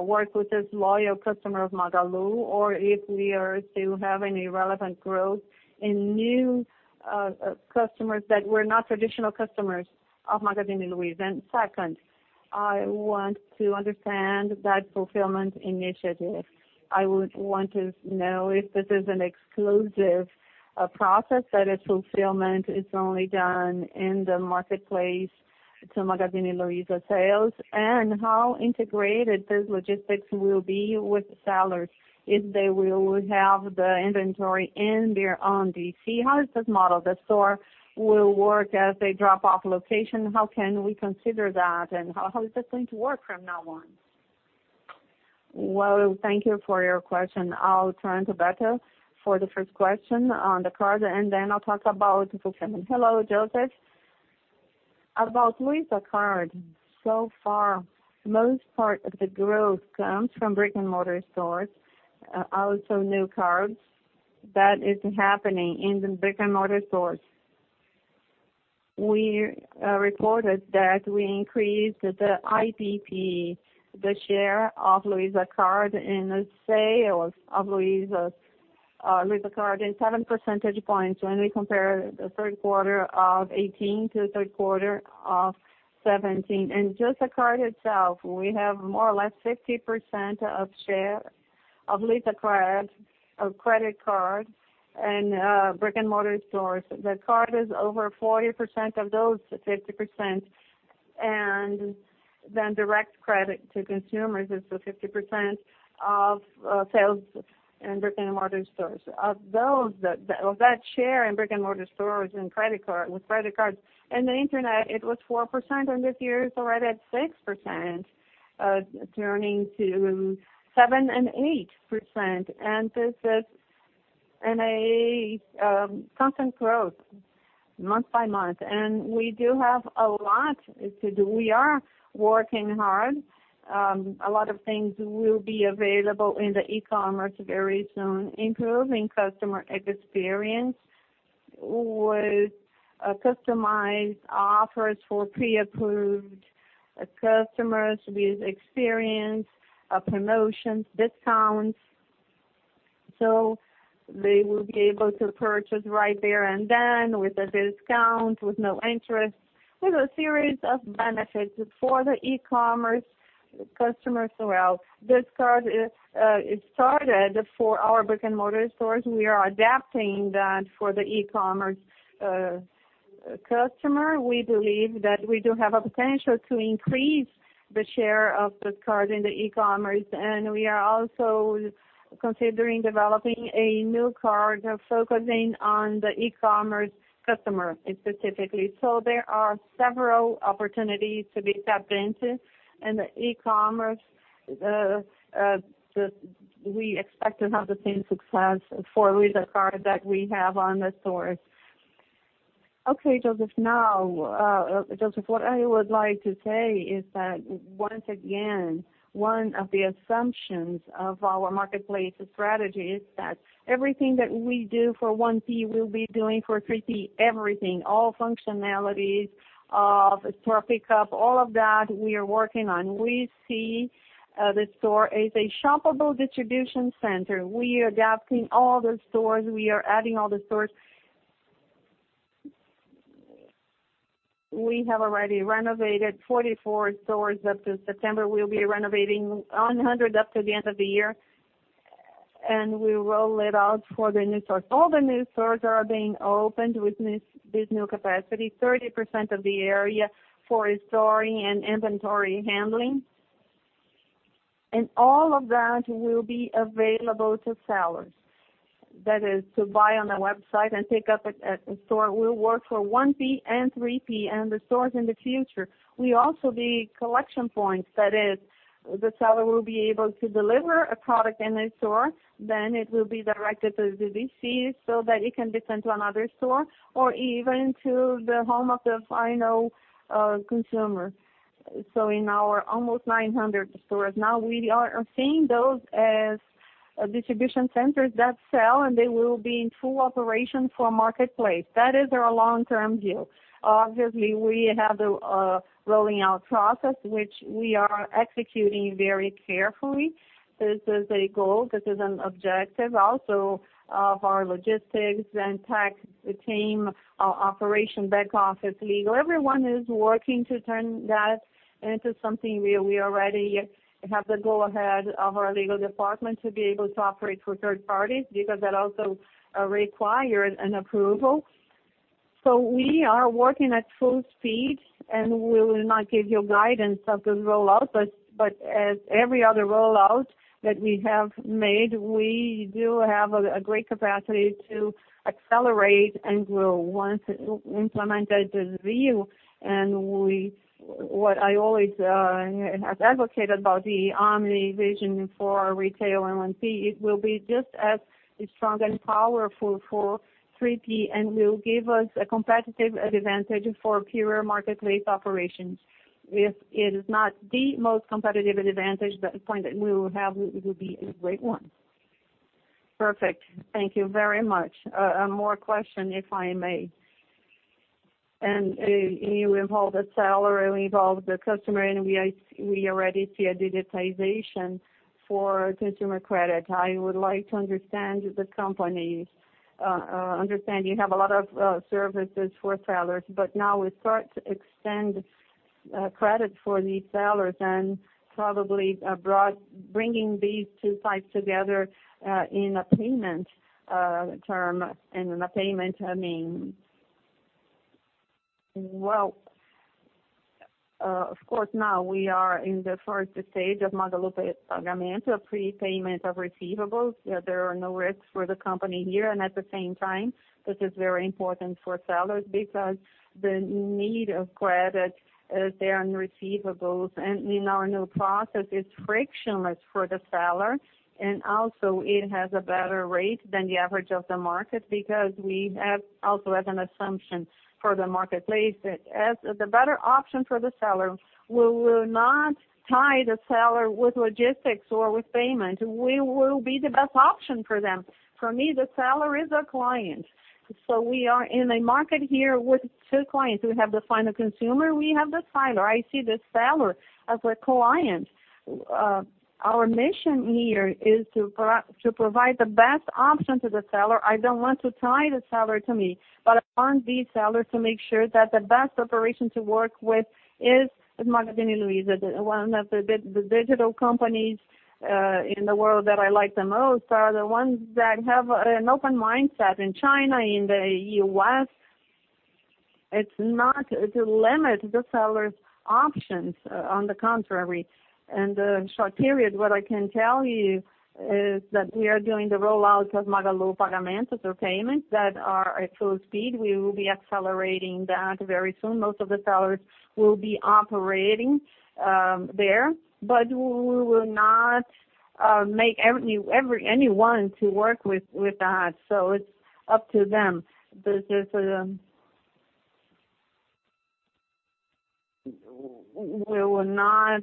work with this loyal customer of Magalu or if we are still having a relevant growth in new customers that were not traditional customers of Magazine Luiza. Second, I want to understand that fulfillment initiative. I would want to know if this is an exclusive process, that a fulfillment is only done in the marketplace to Magazine Luiza sales, and how integrated these logistics will be with sellers if they will have the inventory in their own DC. How is this model? The store will work as a drop-off location. How can we consider that, and how is it going to work from now on? Thank you for your question. I will turn to Beto for the first question on the card, and then I will talk about fulfillment. Hello, Joseph. About Luiza Card, so far, most part of the growth comes from brick-and-mortar stores, also new cards. That is happening in the brick-and-mortar stores. We reported that we increased the IPP, the share of Luiza Card in the sales of Luiza Card in seven percentage points when we compare the third quarter of 2018 to third quarter of 2017. Just the card itself, we have more or less 50% of share of Luiza Card, of credit card in brick-and-mortar stores. The card is over 40% of those 50%, and then direct credit to consumers is the 50% of sales in brick-and-mortar stores. Of that share in brick-and-mortar stores with credit cards, in the internet, it was 4%. In this year, it is already at 6%, turning to 7% and 8%. We do have a lot to do. We are working hard. A lot of things will be available in the e-commerce very soon. Improving customer experience with customized offers for pre-approved customers with experience, promotions, discounts. They will be able to purchase right there and then with a discount, with no interest, with a series of benefits for the e-commerce customers as well. This card is started for our brick-and-mortar stores. We are adapting that for the e-commerce customer. We believe that we do have a potential to increase the share of this card in the e-commerce, and we are also considering developing a new card focusing on the e-commerce customer specifically. There are several opportunities to be tapped into in the e-commerce. We expect to have the same success for Luiza Card that we have on the stores. Okay, Joseph. Joseph, what I would like to say is that once again, one of the assumptions of our marketplace strategy is that everything that we do for 1P, we will be doing for 3P, everything. All functionalities of store pickup, all of that, we are working on. We see the store as a shoppable distribution center. We are adapting all the stores. We are adding all the stores. We have already renovated 44 stores up to September. We will be renovating 100 up to the end of the year, and we roll it out for the new stores. All the new stores are being opened with this new capacity, 30% of the area for storing and inventory handling. That is to buy on the website and pick up at a store will work for 1P and 3P and the stores in the future. We also be collection points, that is, the seller will be able to deliver a product in a store, then it will be directed to the DC so that it can be sent to another store or even to the home of the final consumer. In our almost 900 stores now, we are seeing those as distribution centers that sell, and they will be in full operation for marketplace. That is our long-term view. Obviously, we have the rolling out process, which we are executing very carefully. This is a goal. This is an objective also of our logistics and tech team, our operation back office, legal. Everyone is working to turn that into something real. We already have the go-ahead of our legal department to be able to operate for third parties because that also requires an approval. We are working at full speed, and we will not give you guidance of the rollout, but as every other rollout that we have made, we do have a great capacity to accelerate and grow once implemented the view. What I always have advocated about the omni vision for our retail 1P, it will be just as strong and powerful for 3P and will give us a competitive advantage for pure marketplace operations. If it is not the most competitive advantage, the point that we will have will be a great one. Perfect. Thank you very much. More question, if I may. You involve the seller, involve the customer, and we already see a digitization for consumer credit. I would like to understand the companies. I understand you have a lot of services for sellers, but now we start to extend credit for these sellers and probably bringing these two sides together in a payment term and in a payment, I mean. Well, of course, now we are in the first stage of Magalu Pagamentos, prepayment of receivables. There are no risks for the company here, and at the same time, this is very important for sellers because the need of credit is there on receivables. In our new process, it is frictionless for the seller, and also it has a better rate than the average of the market because we have also as an assumption for the marketplace that as the better option for the seller, we will not tie the seller with logistics or with payment. We will be the best option for them. For me, the seller is a client. We are in a market here with two clients. We have the final consumer, we have the seller. I see the seller as a client. Our mission here is to provide the best option to the seller. I don't want to tie the seller to me, but I want the seller to make sure that the best operation to work with is Magazine Luiza. One of the digital companies in the world that I like the most are the ones that have an open mindset. In China, in the U.S., it's not to limit the seller's options, on the contrary. In the short period, what I can tell you is that we are doing the rollout of Magalu Pagamentos or payments that are at full speed. We will be accelerating that very soon. Most of the sellers will be operating there, but we will not make anyone to work with that. It's up to them. We will not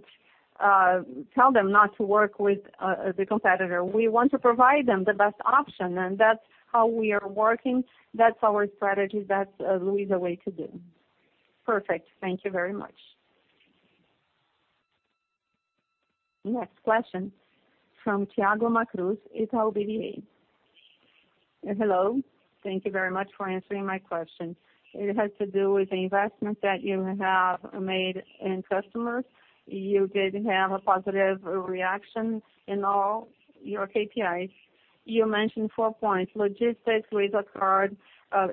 tell them not to work with the competitor. We want to provide them the best option, and that's how we are working. That's our strategy. That's Luiza way to do. Perfect. Thank you very much. Next question from Thiago Macruz, Itaú BBA. Hello. Thank you very much for answering my question. It has to do with the investment that you have made in customers. You did have a positive reaction in all your KPIs. You mentioned four points, logistics, loyalty card,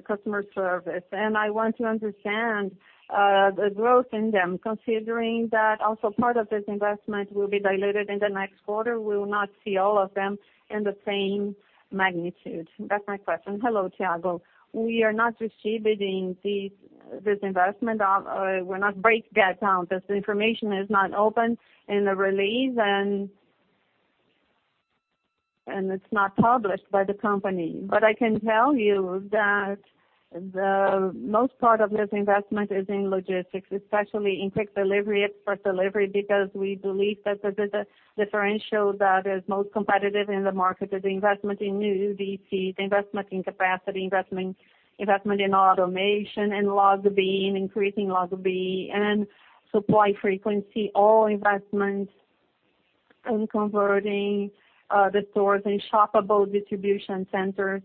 customer service. I want to understand the growth in them, considering that also part of this investment will be diluted in the next quarter. We will not see all of them in the same magnitude. That's my question. Hello, Thiago. We are not distributing this investment. We're not breaking that down. This information is not open in the release and it's not published by the company. I can tell you that the most part of this investment is in logistics, especially in quick delivery, express delivery, because we believe that the differential that is most competitive in the market is the investment in new DCs, investment in capacity, investment in automation, and increasing Logbee, and supply frequency. All investments in converting the stores in shoppable distribution centers.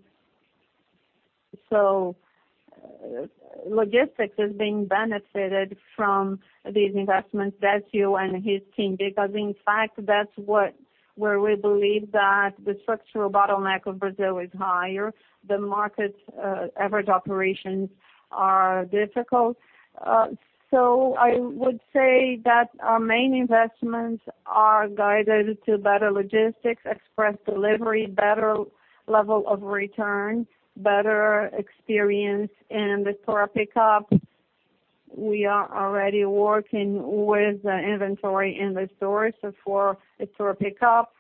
Logistics is being benefited from these investments, Decio and his team, because in fact, that's where we believe that the structural bottleneck of Brazil is higher. The market's average operations are difficult. I would say that our main investments are guided to better logistics, express delivery, better level of return, better experience in the store pickup. We are already working with the inventory in the stores for store pickup.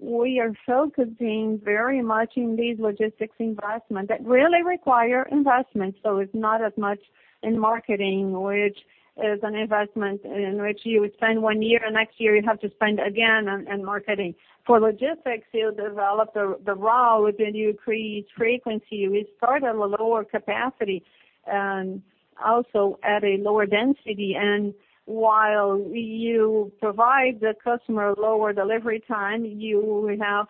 We are focusing very much on these logistics investments that really require investment. It's not as much in marketing, which is an investment in which you spend one year, next year you have to spend again on marketing. For logistics, you develop the route, then you create frequency. We start at a lower capacity and also at a lower density. While you provide the customer lower delivery time, you have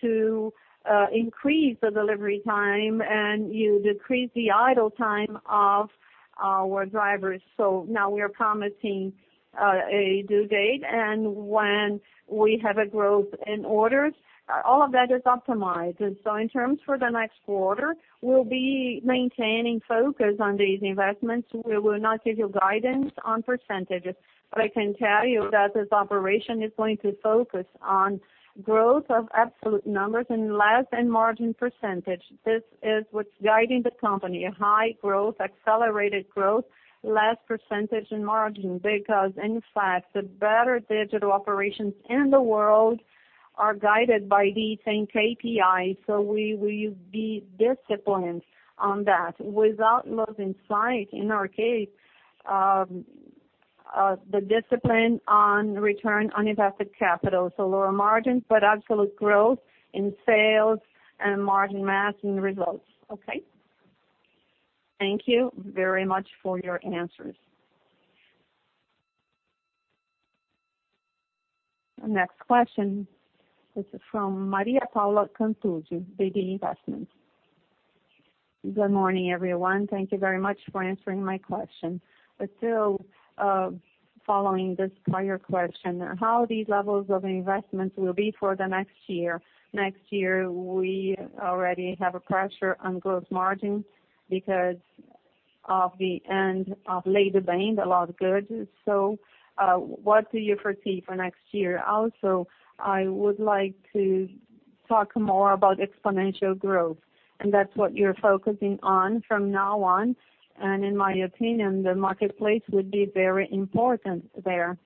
to increase the delivery time, and you decrease the idle time of our drivers. Now we are promising a due date. When we have a growth in orders, all of that is optimized. In terms for the next quarter, we'll be maintaining focus on these investments. We will not give you guidance on percentages, but I can tell you that this operation is going to focus on growth of absolute numbers and less in margin percentage. This is what's guiding the company. A high growth, accelerated growth, less percentage in margin. Because in fact, the better digital operations in the world are guided by the same KPIs. We will be disciplined on that without losing sight, in our case, the discipline on return on invested capital. So lower margins, but absolute growth in sales and margin mass in results. Okay. Thank you very much for your answers. Next question is from Maria Paula Cantucci, BTG Pactual. Good morning, everyone. Thank you very much for answering my question. Still following this prior question, how these levels of investments will be for the next year? Next year, we already have a pressure on gross margin because of the end of Lei do Bem, the law of goods. What do you foresee for next year? I would like to talk more about exponential growth, and that's what you're focusing on from now on, and in my opinion, the marketplace would be very important there.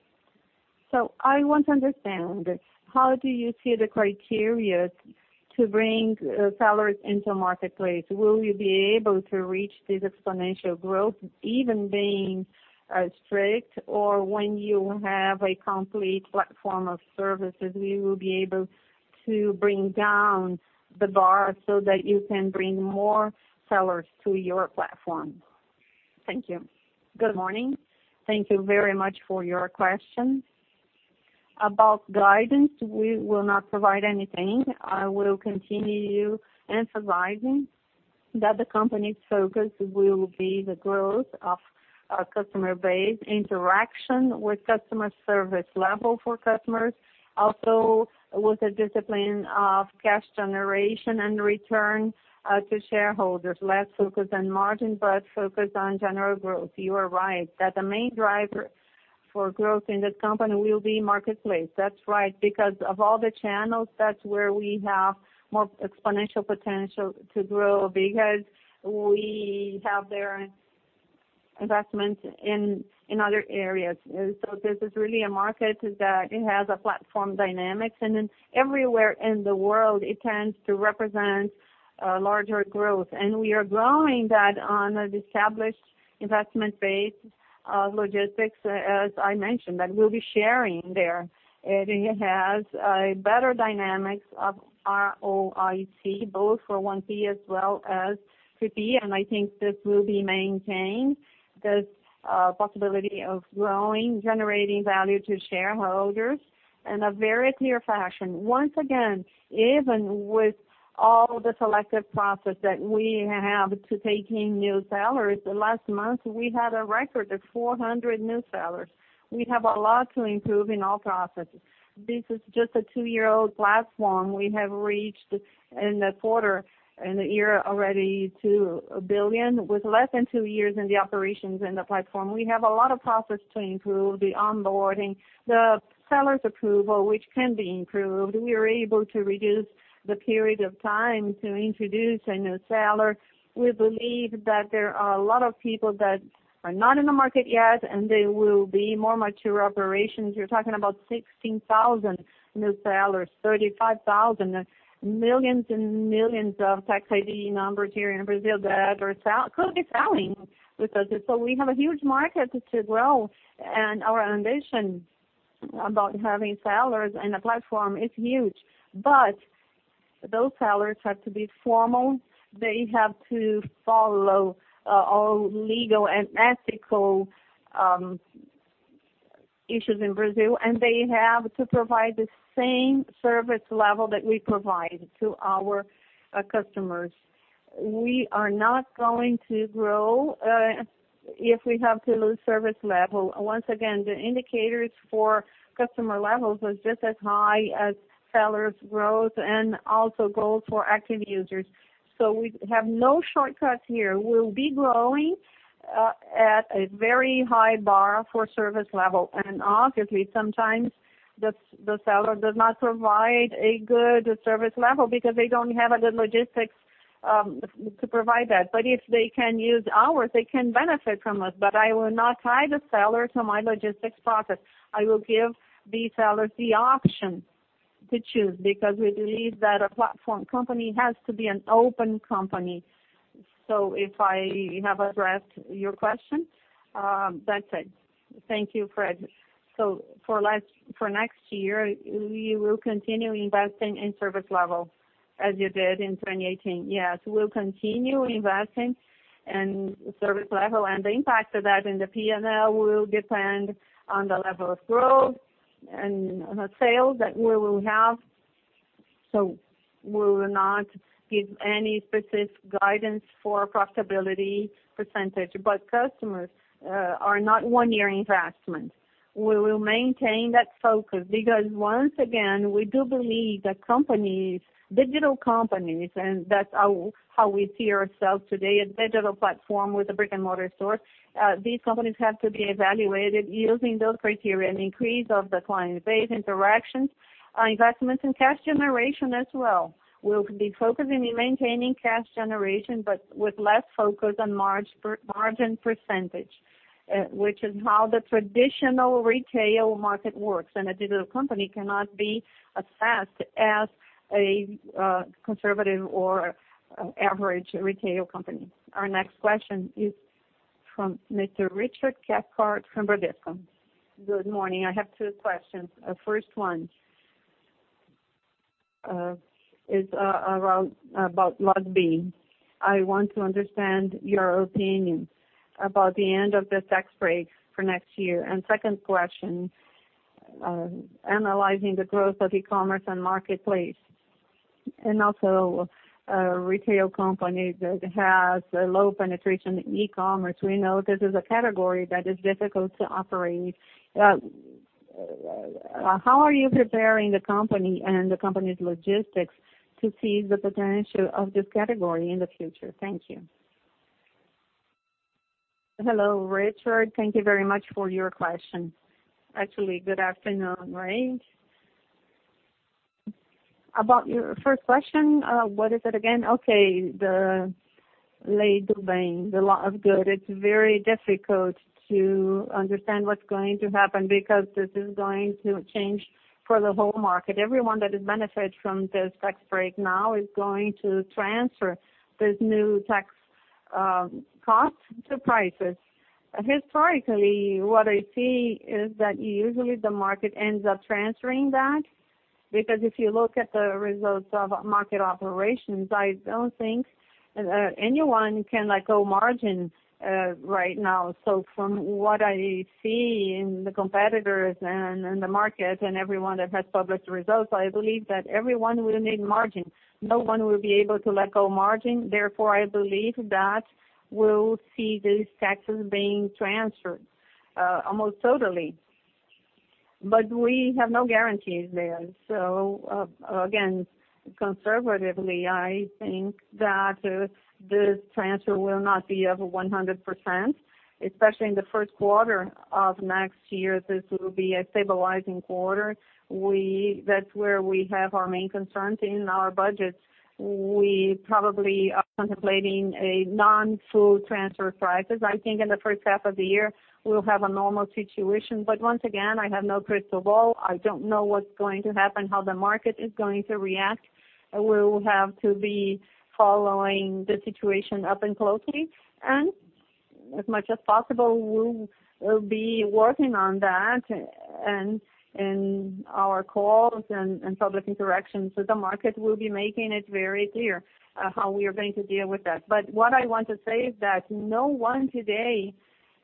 I want to understand, how do you see the criteria to bring sellers into marketplace? Will you be able to reach this exponential growth even being strict? Or when you have a complete platform of services, we will be able to bring down the bar so that you can bring more sellers to your platform. Thank you. Good morning. Thank you very much for your question. About guidance, we will not provide anything. I will continue emphasizing that the company's focus will be the growth of our customer base, interaction with customer service level for customers. With the discipline of cash generation and return to shareholders. Less focus on margin, but focus on general growth. You are right, that the main driver for growth in this company will be marketplace. That's right. Because of all the channels, that's where we have more exponential potential to grow because we have there investments in other areas. This is really a market that it has a platform dynamics, and everywhere in the world, it tends to represent larger growth. We are growing that on established investment base logistics, as I mentioned, that we'll be sharing there. It has a better dynamics of ROIC, both for 1P as well as 3P. I think this will be maintained, this possibility of growing, generating value to shareholders in a very clear fashion. Once again, even with all the selective process that we have to take in new sellers. Last month, we had a record of 400 new sellers. We have a lot to improve in our processes. This is just a two-year-old platform we have reached in the quarter and the year already to 1 billion. With less than two years in the operations in the platform, we have a lot of process to improve, the onboarding, the sellers' approval, which can be improved. We are able to reduce the period of time to introduce a new seller. We believe that there are a lot of people that are not in the market yet. They will be more mature operations. You are talking about 16,000 new sellers, 35,000, millions and millions of tax ID numbers here in Brazil that could be selling with us. We have a huge market to grow, and our ambition about having sellers in the platform is huge. Those sellers have to be formal. They have to follow all legal and ethical issues in Brazil, and they have to provide the same service level that we provide to our customers. We are not going to grow if we have to lose service level. Once again, the indicators for customer levels was just as high as sellers growth and also growth for active users. We have no shortcuts here. We will be growing at a very high bar for service level. Obviously, sometimes the seller does not provide a good service level because they do not have a good logistics to provide that. If they can use ours, they can benefit from it. I will not tie the seller to my logistics process. I will give the sellers the option to choose, because we believe that a platform company has to be an open company. If I have addressed your question, that is it. Thank you, Fred. For next year, you will continue investing in service level as you did in 2018. Yes, we will continue investing in service level, and the impact of that in the P&L will depend on the level of growth and sales that we will have. We will not give any specific guidance for profitability percentage. Customers are not one-year investment. We will maintain that focus because once again, we do believe that companies, digital companies, and that is how we see ourselves today, a digital platform with a brick-and-mortar store. These companies have to be evaluated using those criteria, an increase of the client base interactions, investments in cash generation as well. We will be focusing in maintaining cash generation, but with less focus on margin percentage, which is how the traditional retail market works. A digital company cannot be assessed as a conservative or average retail company. Our next question is from Mr. Richard Cathcart from Bradesco. Good morning. I have two questions. First one is about LogBee. I want to understand your opinion about the end of this tax break for next year. Second question, analyzing the growth of e-commerce and marketplace, and also retail companies that has a low penetration in e-commerce. We know this is a category that is difficult to operate. How are you preparing the company and the company's logistics to seize the potential of this category in the future? Thank you. Hello, Richard. Thank you very much for your question. Actually, good afternoon, right? About your first question, what is it again? Okay. The Lei do Bem, the lot of good. It is very difficult to understand what is going to happen because this is going to change for the whole market. Everyone that has benefit from this tax break now is going to transfer this new tax cost to prices. Historically, what I see is that usually the market ends up transferring that, because if you look at the results of market operations, I do not think anyone can let go margin right now. From what I see in the competitors and in the market and everyone that has published results, I believe that everyone will need margin. No one will be able to let go margin. Therefore, I believe that we'll see these taxes being transferred almost totally. We have no guarantees there. Again, conservatively, I think that the transfer will not be of 100%, especially in the first quarter of next year. This will be a stabilizing quarter. That's where we have our main concerns in our budgets. We probably are contemplating a non-full transfer prices. I think in the first half of the year, we'll have a normal situation. Once again, I have no crystal ball. I don't know what's going to happen, how the market is going to react. We will have to be following the situation up and closely. As much as possible, we'll be working on that in our calls and public interactions with the market. We'll be making it very clear how we are going to deal with that. What I want to say is that no one today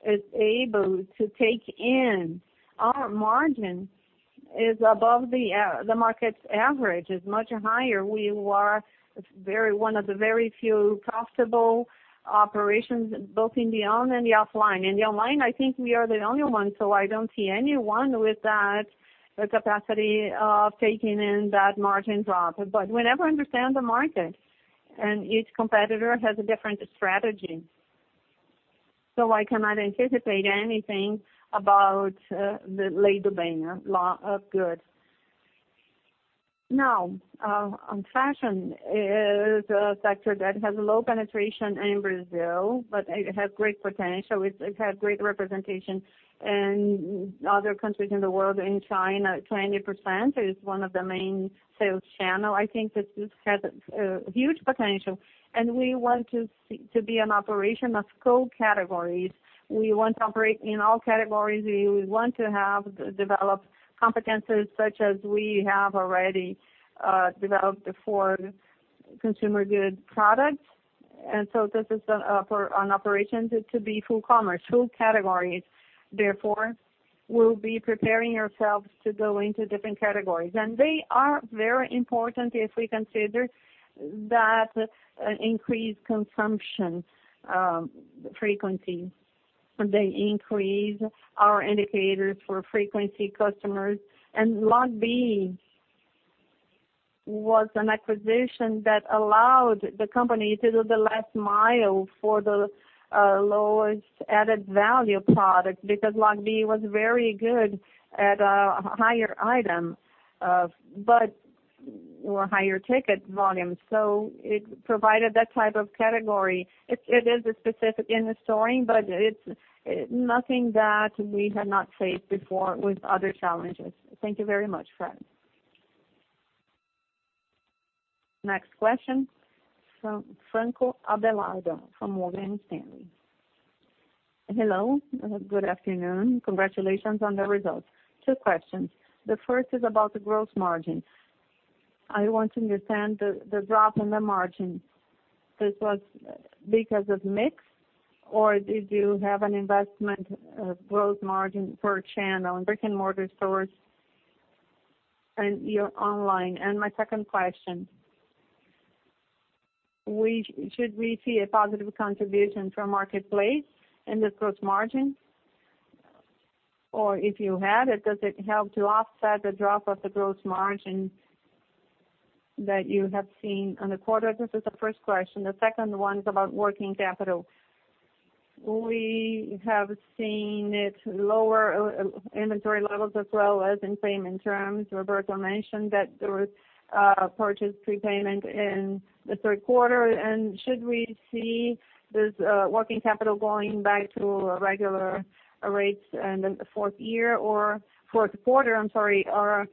is able to take in our margin is above the market's average. It's much higher. We are one of the very few profitable operations, both in the on and the offline. In the online, I think we are the only one, I don't see anyone with that capacity of taking in that margin drop. We never understand the market, and each competitor has a different strategy. I cannot anticipate anything about the Lei do Bem law of goods. On fashion, it is a sector that has low penetration in Brazil, but it has great potential. It has great representation in other countries in the world. In China, 20% is one of the main sales channel. I think this has a huge potential, we want to be an operation of co-categories. We want to operate in all categories. We want to have developed competencies such as we have already developed for consumer goods products. This is an operation to be full commerce, full categories. Therefore, we'll be preparing ourselves to go into different categories. They are very important if we consider that increased consumption frequency. They increase our indicators for frequency customers. Logbee was an acquisition that allowed the company to do the last mile for the lowest added-value product because Logbee was very good at a higher item, but were higher ticket volumes. It provided that type of category. It is specific in the storing, it's nothing that we have not faced before with other challenges. Thank you very much, Fred. Next question, from Franco Abelardo from Morgan Stanley. Hello. Good afternoon. Congratulations on the results. Two questions. The first is about the gross margin. I want to understand the drop in the margin. This was because of mix, or did you have an investment gross margin per channel in brick-and-mortar stores and your online? My second question, should we see a positive contribution from Marketplace in this gross margin? If you had it, does it help to offset the drop of the gross margin that you have seen on the quarter? This is the first question. The second one's about working capital. We have seen it lower inventory levels as well as in payment terms. Roberto mentioned that there was a purchase prepayment in the third quarter. Should we see this working capital going back to regular rates in the fourth quarter, or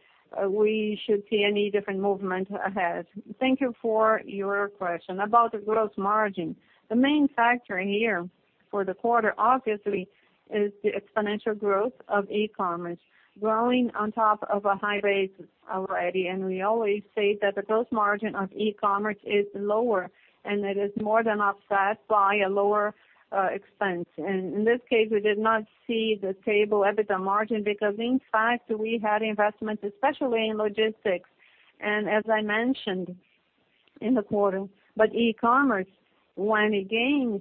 we should see any different movement ahead? Thank you for your question. About the gross margin, the main factor here for the quarter, obviously, is the exponential growth of e-commerce growing on top of a high base already. We always say that the gross margin of e-commerce is lower, and it is more than offset by a lower expense. In this case, we did not see the stable EBITDA margin because, in fact, we had investments, especially in logistics. As I mentioned in the quarter. E-commerce, when it gains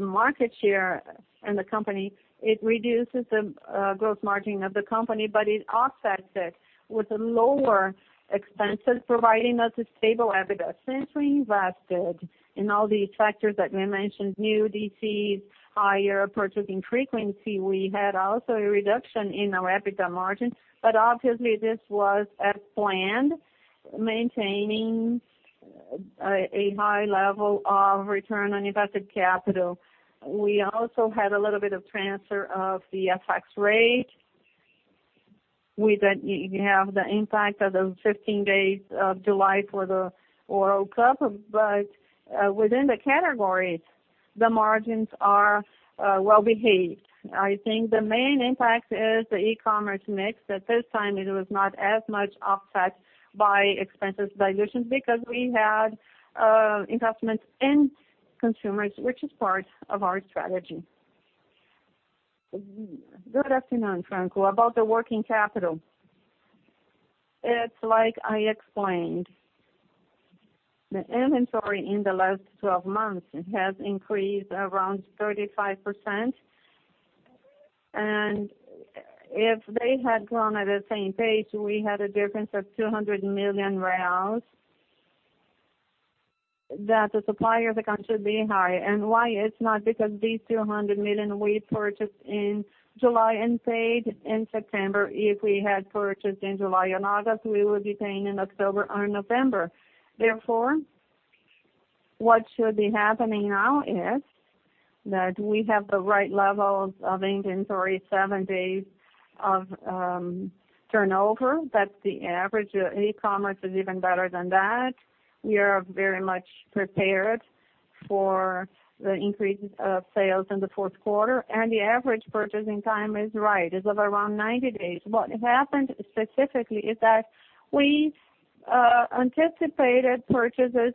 market share in the company, it reduces the gross margin of the company, but it offsets it with lower expenses, providing us a stable EBITDA. Since we invested in all these factors that we mentioned, new DCs, higher purchasing frequency, we had also a reduction in our EBITDA margin. Obviously, this was as planned, maintaining a high level of return on invested capital. We also had a little bit of transfer of the FX rate. We then have the impact of the 15 days of July for the World Cup. Within the categories, the margins are well behaved. I think the main impact is the e-commerce mix. At this time, it was not as much offset by expenses dilution because we had investments in consumers, which is part of our strategy. Good afternoon, Franco. About the working capital, it's like I explained. The inventory in the last 12 months has increased around 35%. If they had grown at the same pace, we had a difference of 200 million that the suppliers account should be higher. Why it's not? Because these 200 million we purchased in July and paid in September. If we had purchased in July and August, we would be paying in October or November. What should be happening now is that we have the right levels of inventory, seven days of turnover. That's the average. E-commerce is even better than that. We are very much prepared for the increase of sales in the fourth quarter, the average purchasing time is right, is of around 90 days. What happened specifically is that we anticipated purchases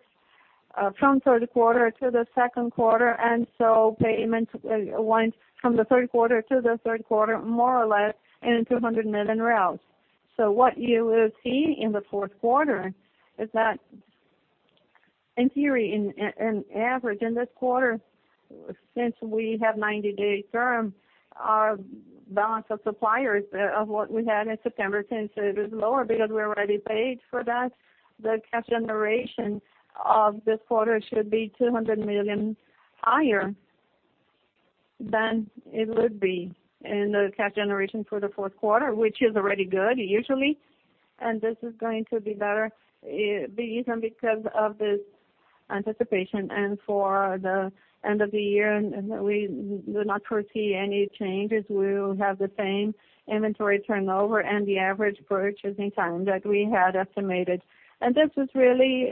from third quarter to the second quarter, payment went from the third quarter to the third quarter, more or less, in 200 million. What you will see in the fourth quarter is that in theory, in average in this quarter, since we have 90-day term, our balance of suppliers of what we had in September 10th is lower because we already paid for that. The cash generation of this quarter should be 200 million higher than it would be in the cash generation for the fourth quarter, which is already good usually, this is going to be better even because of this anticipation. For the end of the year, we do not foresee any changes. We will have the same inventory turnover and the average purchasing time that we had estimated. This is really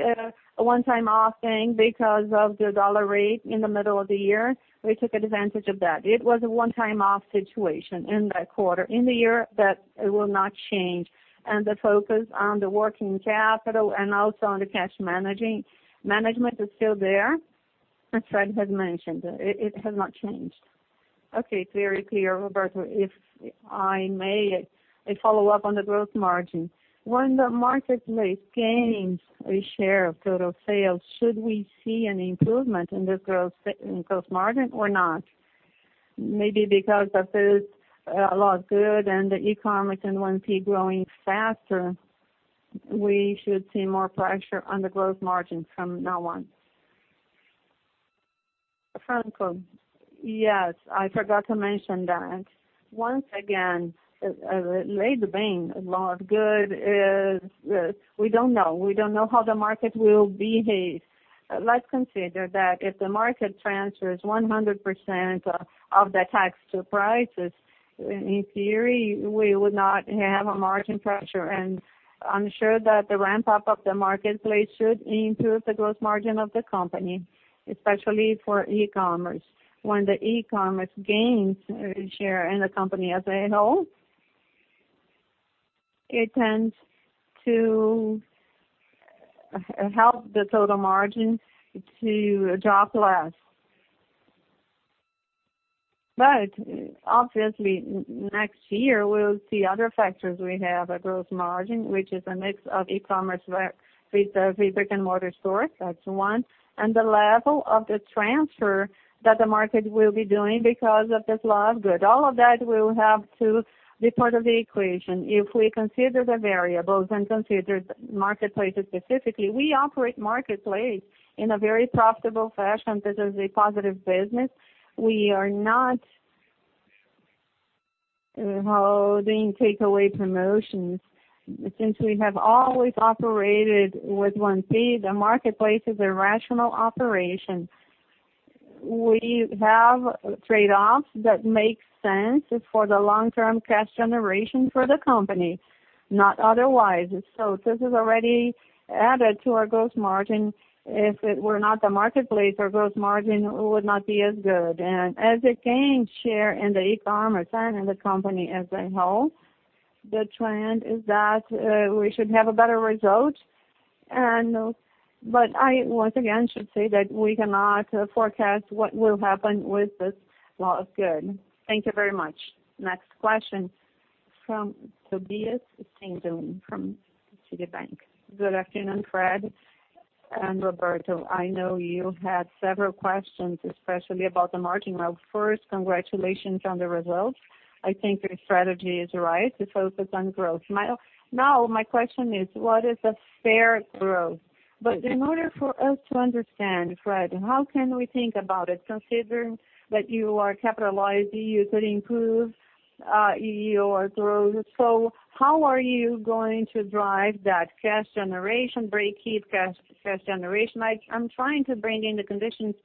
a one-time off thing because of the dollar rate in the middle of the year. We took advantage of that. It was a one-time off situation in that quarter. In the year, that will not change. The focus on the working capital and also on the cash management is still there, as Fred has mentioned. It has not changed. Okay. Very clear, Roberto. If I may, a follow-up on the gross margin. When the marketplace gains a share of total sales, should we see an improvement in the gross margin or not? Maybe because of this Lei do Bem and the e-commerce and 1P growing faster, we should see more pressure on the gross margin from now on. Franco. Yes, I forgot to mention that. Once again, the Lei do Bem is. We don't know. We don't know how the market will behave. Let's consider that if the market transfers 100% of the tax to prices, in theory, we would not have a margin pressure. I'm sure that the ramp-up of the marketplace should improve the gross margin of the company, especially for e-commerce. When the e-commerce gains a share in the company as a whole, it tends to help the total margin to drop less. Obviously, next year we'll see other factors. We have a gross margin, which is a mix of e-commerce with the brick-and-mortar stores. That's one. The level of the transfer that the market will be doing because of this Lei do Bem. All of that will have to be part of the equation. If we consider the variables and consider the marketplace specifically, we operate marketplace in a very profitable fashion. This is a positive business. We are not holding takeaway promotions. Since we have always operated with 1P, the marketplace is a rational operation. We have trade-offs that make sense for the long-term cash generation for the company, not otherwise. This is already added to our growth margin. If it were not the marketplace, our growth margin would not be as good. As it gains share in the e-commerce and in the company as a whole, the trend is that we should have a better result. I once again should say that we cannot forecast what will happen with this Lei do Bem. Thank you very much. Next question from Tobias Stange from Citibank. Good afternoon, Fred and Roberto. I know you had several questions, especially about the margin. First, congratulations on the results. I think your strategy is right to focus on growth. Now my question is, what is the fair growth? In order for us to understand, Fred, how can we think about it, considering that you are capitalized, you could improve your growth. How are you going to drive that cash generation? I'm trying to bring in the conditions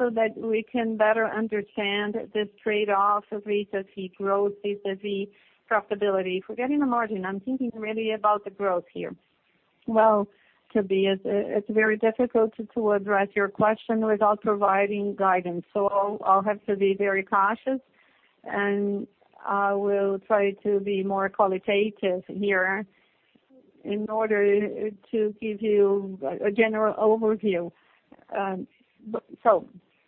so that we can better understand this trade-off of reentrancy growth versus profitability. Forgetting the margin, I'm thinking really about the growth here. Tobias, it's very difficult to address your question without providing guidance. I'll have to be very cautious, and I will try to be more qualitative here in order to give you a general overview.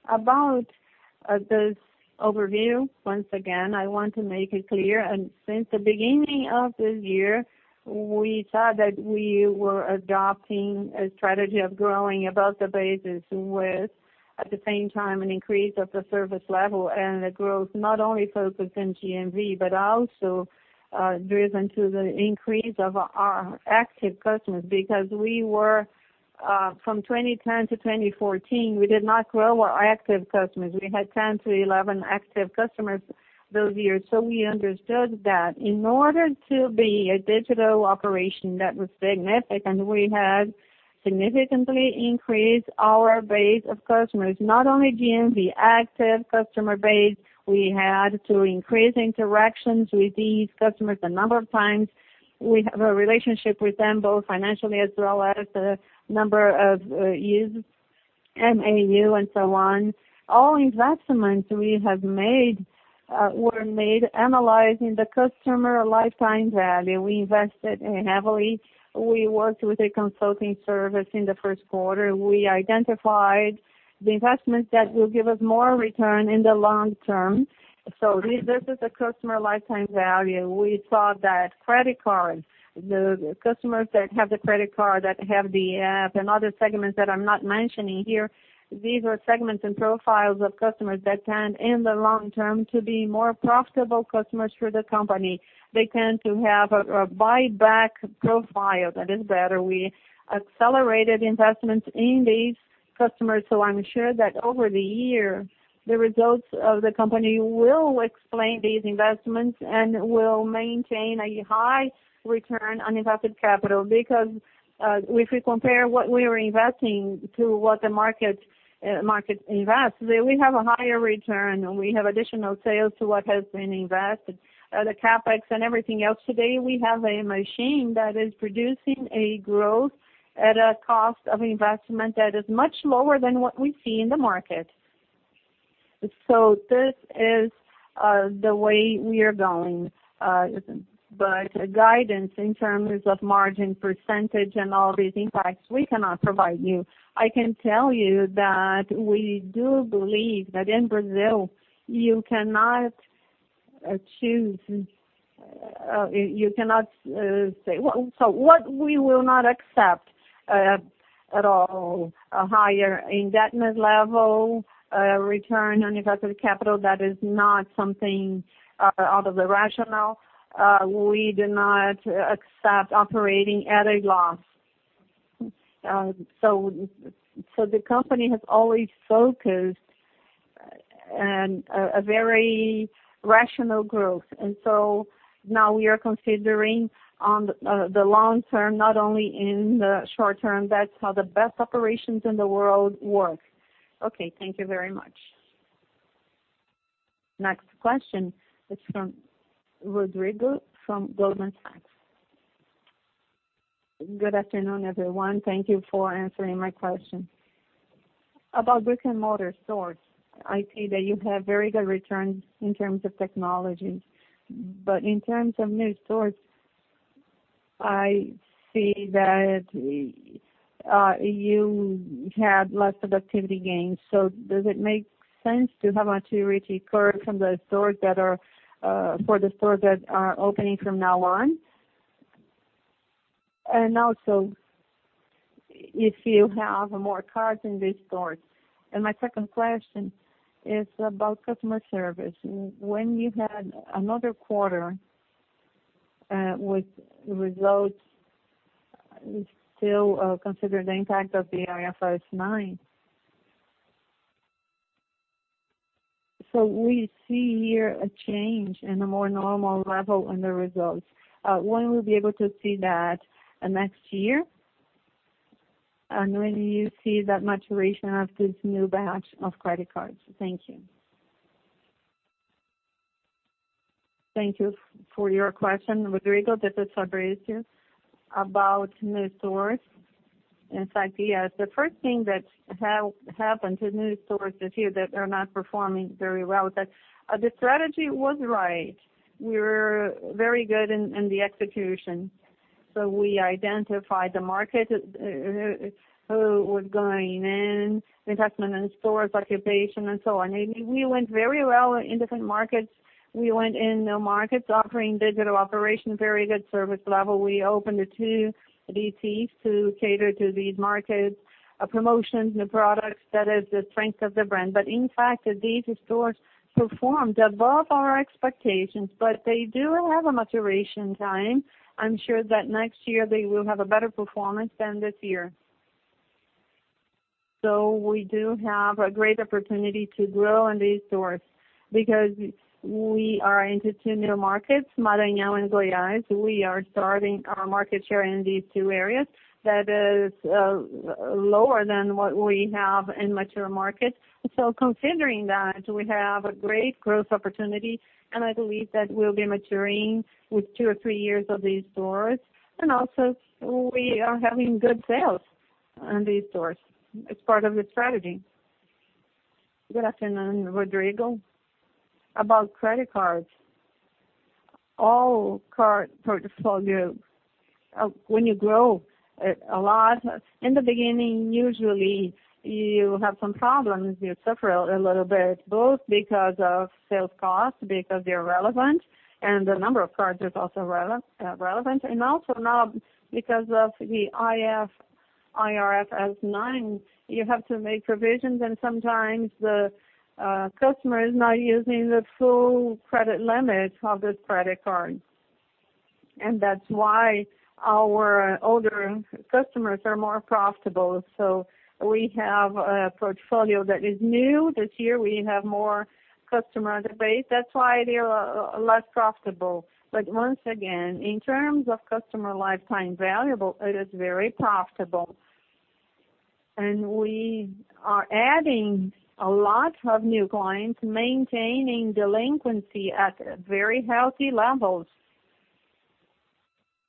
About this overview, once again, I want to make it clear. Since the beginning of this year, we thought that we were adopting a strategy of growing above the basis with, at the same time, an increase of the service level and a growth not only focused on GMV, but also driven to the increase of our active customers. Because from 2010 to 2014, we did not grow our active customers. We had 10 to 11 active customers those years. We understood that in order to be a digital operation that was significant, we had significantly increased our base of customers, not only GMV active customer base. We had to increase interactions with these customers a number of times. We have a relationship with them, both financially as well as the number of years, MAU, and so on. All investments we have made were made analyzing the customer lifetime value. We invested in heavily. We worked with a consulting service in the first quarter. We identified the investments that will give us more return in the long term. This is the customer lifetime value. We saw that credit cards, the customers that have the credit card, that have the app, and other segments that I'm not mentioning here, these are segments and profiles of customers that tend, in the long term, to be more profitable customers for the company. They tend to have a buyback profile that is better. We accelerated investments in these customers. I'm sure that over the year, the results of the company will explain these investments, and will maintain a high return on invested capital. If we compare what we are investing to what the market invests, we have a higher return, and we have additional sales to what has been invested. The CapEx and everything else today, we have a machine that is producing a growth at a cost of investment that is much lower than what we see in the market. This is the way we are going. Guidance in terms of margin % and all these impacts, we cannot provide you. I can tell you that we do believe that in Brazil, you cannot say-- What we will not accept at all, a higher indebtedness level, a return on invested capital. That is not something out of the rationale. We do not accept operating at a loss. The company has always focused on a very rational growth. Now we are considering on the long term, not only in the short term. That's how the best operations in the world work. Okay, thank you very much. Next question is from Rodrigo from Goldman Sachs. Good afternoon, everyone. Thank you for answering my question. About brick-and-mortar stores. I see that you have very good returns in terms of technology, but in terms of new stores, I see that you had less productivity gains. Does it make sense to have maturity curve for the stores that are opening from now on? Also, if you have more cards in these stores. My second question is about customer service. When you had another quarter with results, we still consider the impact of the IFRS 9. We see here a change in a more normal level in the results. When will we be able to see that next year? When do you see that maturation of this new batch of credit cards? Thank you. Thank you for your question, Rodrigo. This is Fabrício here. About new stores. In fact, yes. The first thing that has happened to new stores this year that are not performing very well, the strategy was right. We are very good in the execution. We identified the market, who was going in, investment in stores, occupation, and so on. We went very well in different markets. We went in markets offering digital operations, very good service level. We opened the 2 DTs to cater to these markets. Promotions, new products, that is the strength of the brand. In fact, these stores performed above our expectations. They do have a maturation time. I am sure that next year they will have a better performance than this year. We do have a great opportunity to grow in these stores because we are into two new markets, Maranhão and Goiás. We are starting our market share in these two areas. That is lower than what we have in mature markets. Considering that, we have a great growth opportunity, and I believe that we will be maturing with two or three years of these stores. Also, we are having good sales in these stores. It is part of the strategy. Good afternoon, Rodrigo. About credit cards. All card portfolio, when you grow a lot, in the beginning, usually you have some problems. You suffer a little bit, both because of sales cost, because they are relevant, and the number of cards is also relevant. Now because of the IFRS 9, you have to make provisions, sometimes the customer is not using the full credit limit of this credit card. That is why our older customers are more profitable. We have a portfolio that is new. This year, we have more customer database. That is why they are less profitable. Once again, in terms of customer lifetime valuable, it is very profitable. We are adding a lot of new clients, maintaining delinquency at very healthy levels.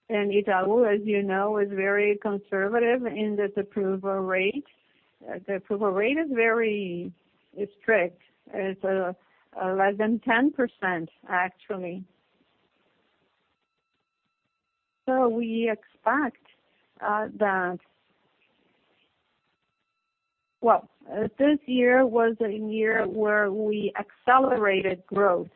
Itaú, as you know, is very conservative in this approval rate. The approval rate is very strict. It is less than 10%, actually. This year was a year where we accelerated growth.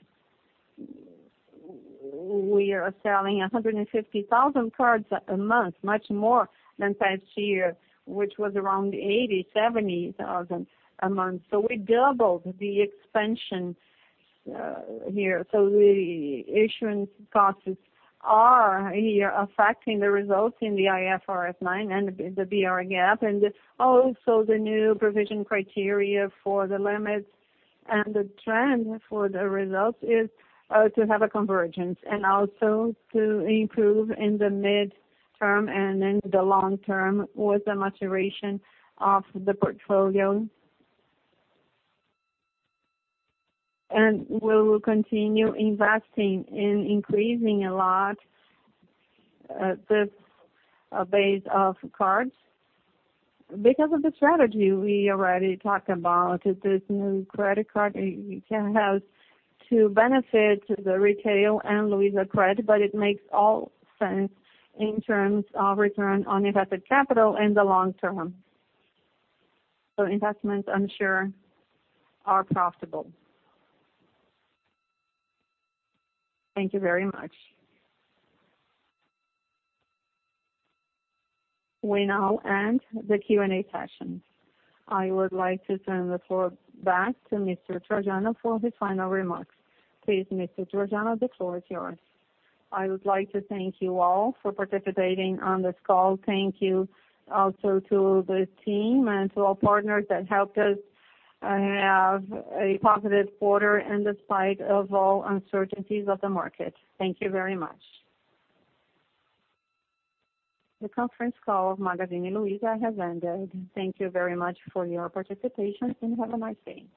We are selling 150,000 cards a month, much more than past year, which was around 80,000, 70,000 a month. We doubled the expansion here. The issuance costs are here affecting the results in the IFRS 9 and the BR GAAP, the new provision criteria for the limits. The trend for the results is to have a convergence to improve in the mid-term and in the long term with the maturation of the portfolio. We will continue investing in increasing a lot this base of cards because of the strategy we already talked about. This new credit card, you can have to benefit the retail and LuizaCred, it makes all sense in terms of return on invested capital in the long term. Investments, I am sure, are profitable. Thank you very much. We now end the Q&A session. I would like to turn the floor back to Mr. Trajano for his final remarks. Please, Mr. Trajano, the floor is yours. I would like to thank you all for participating on this call. Thank you also to the team and to all partners that helped us have a positive quarter despite all uncertainties of the market. Thank you very much. The conference call of Magazine Luiza has ended. Thank you very much for your participation, and have a nice day.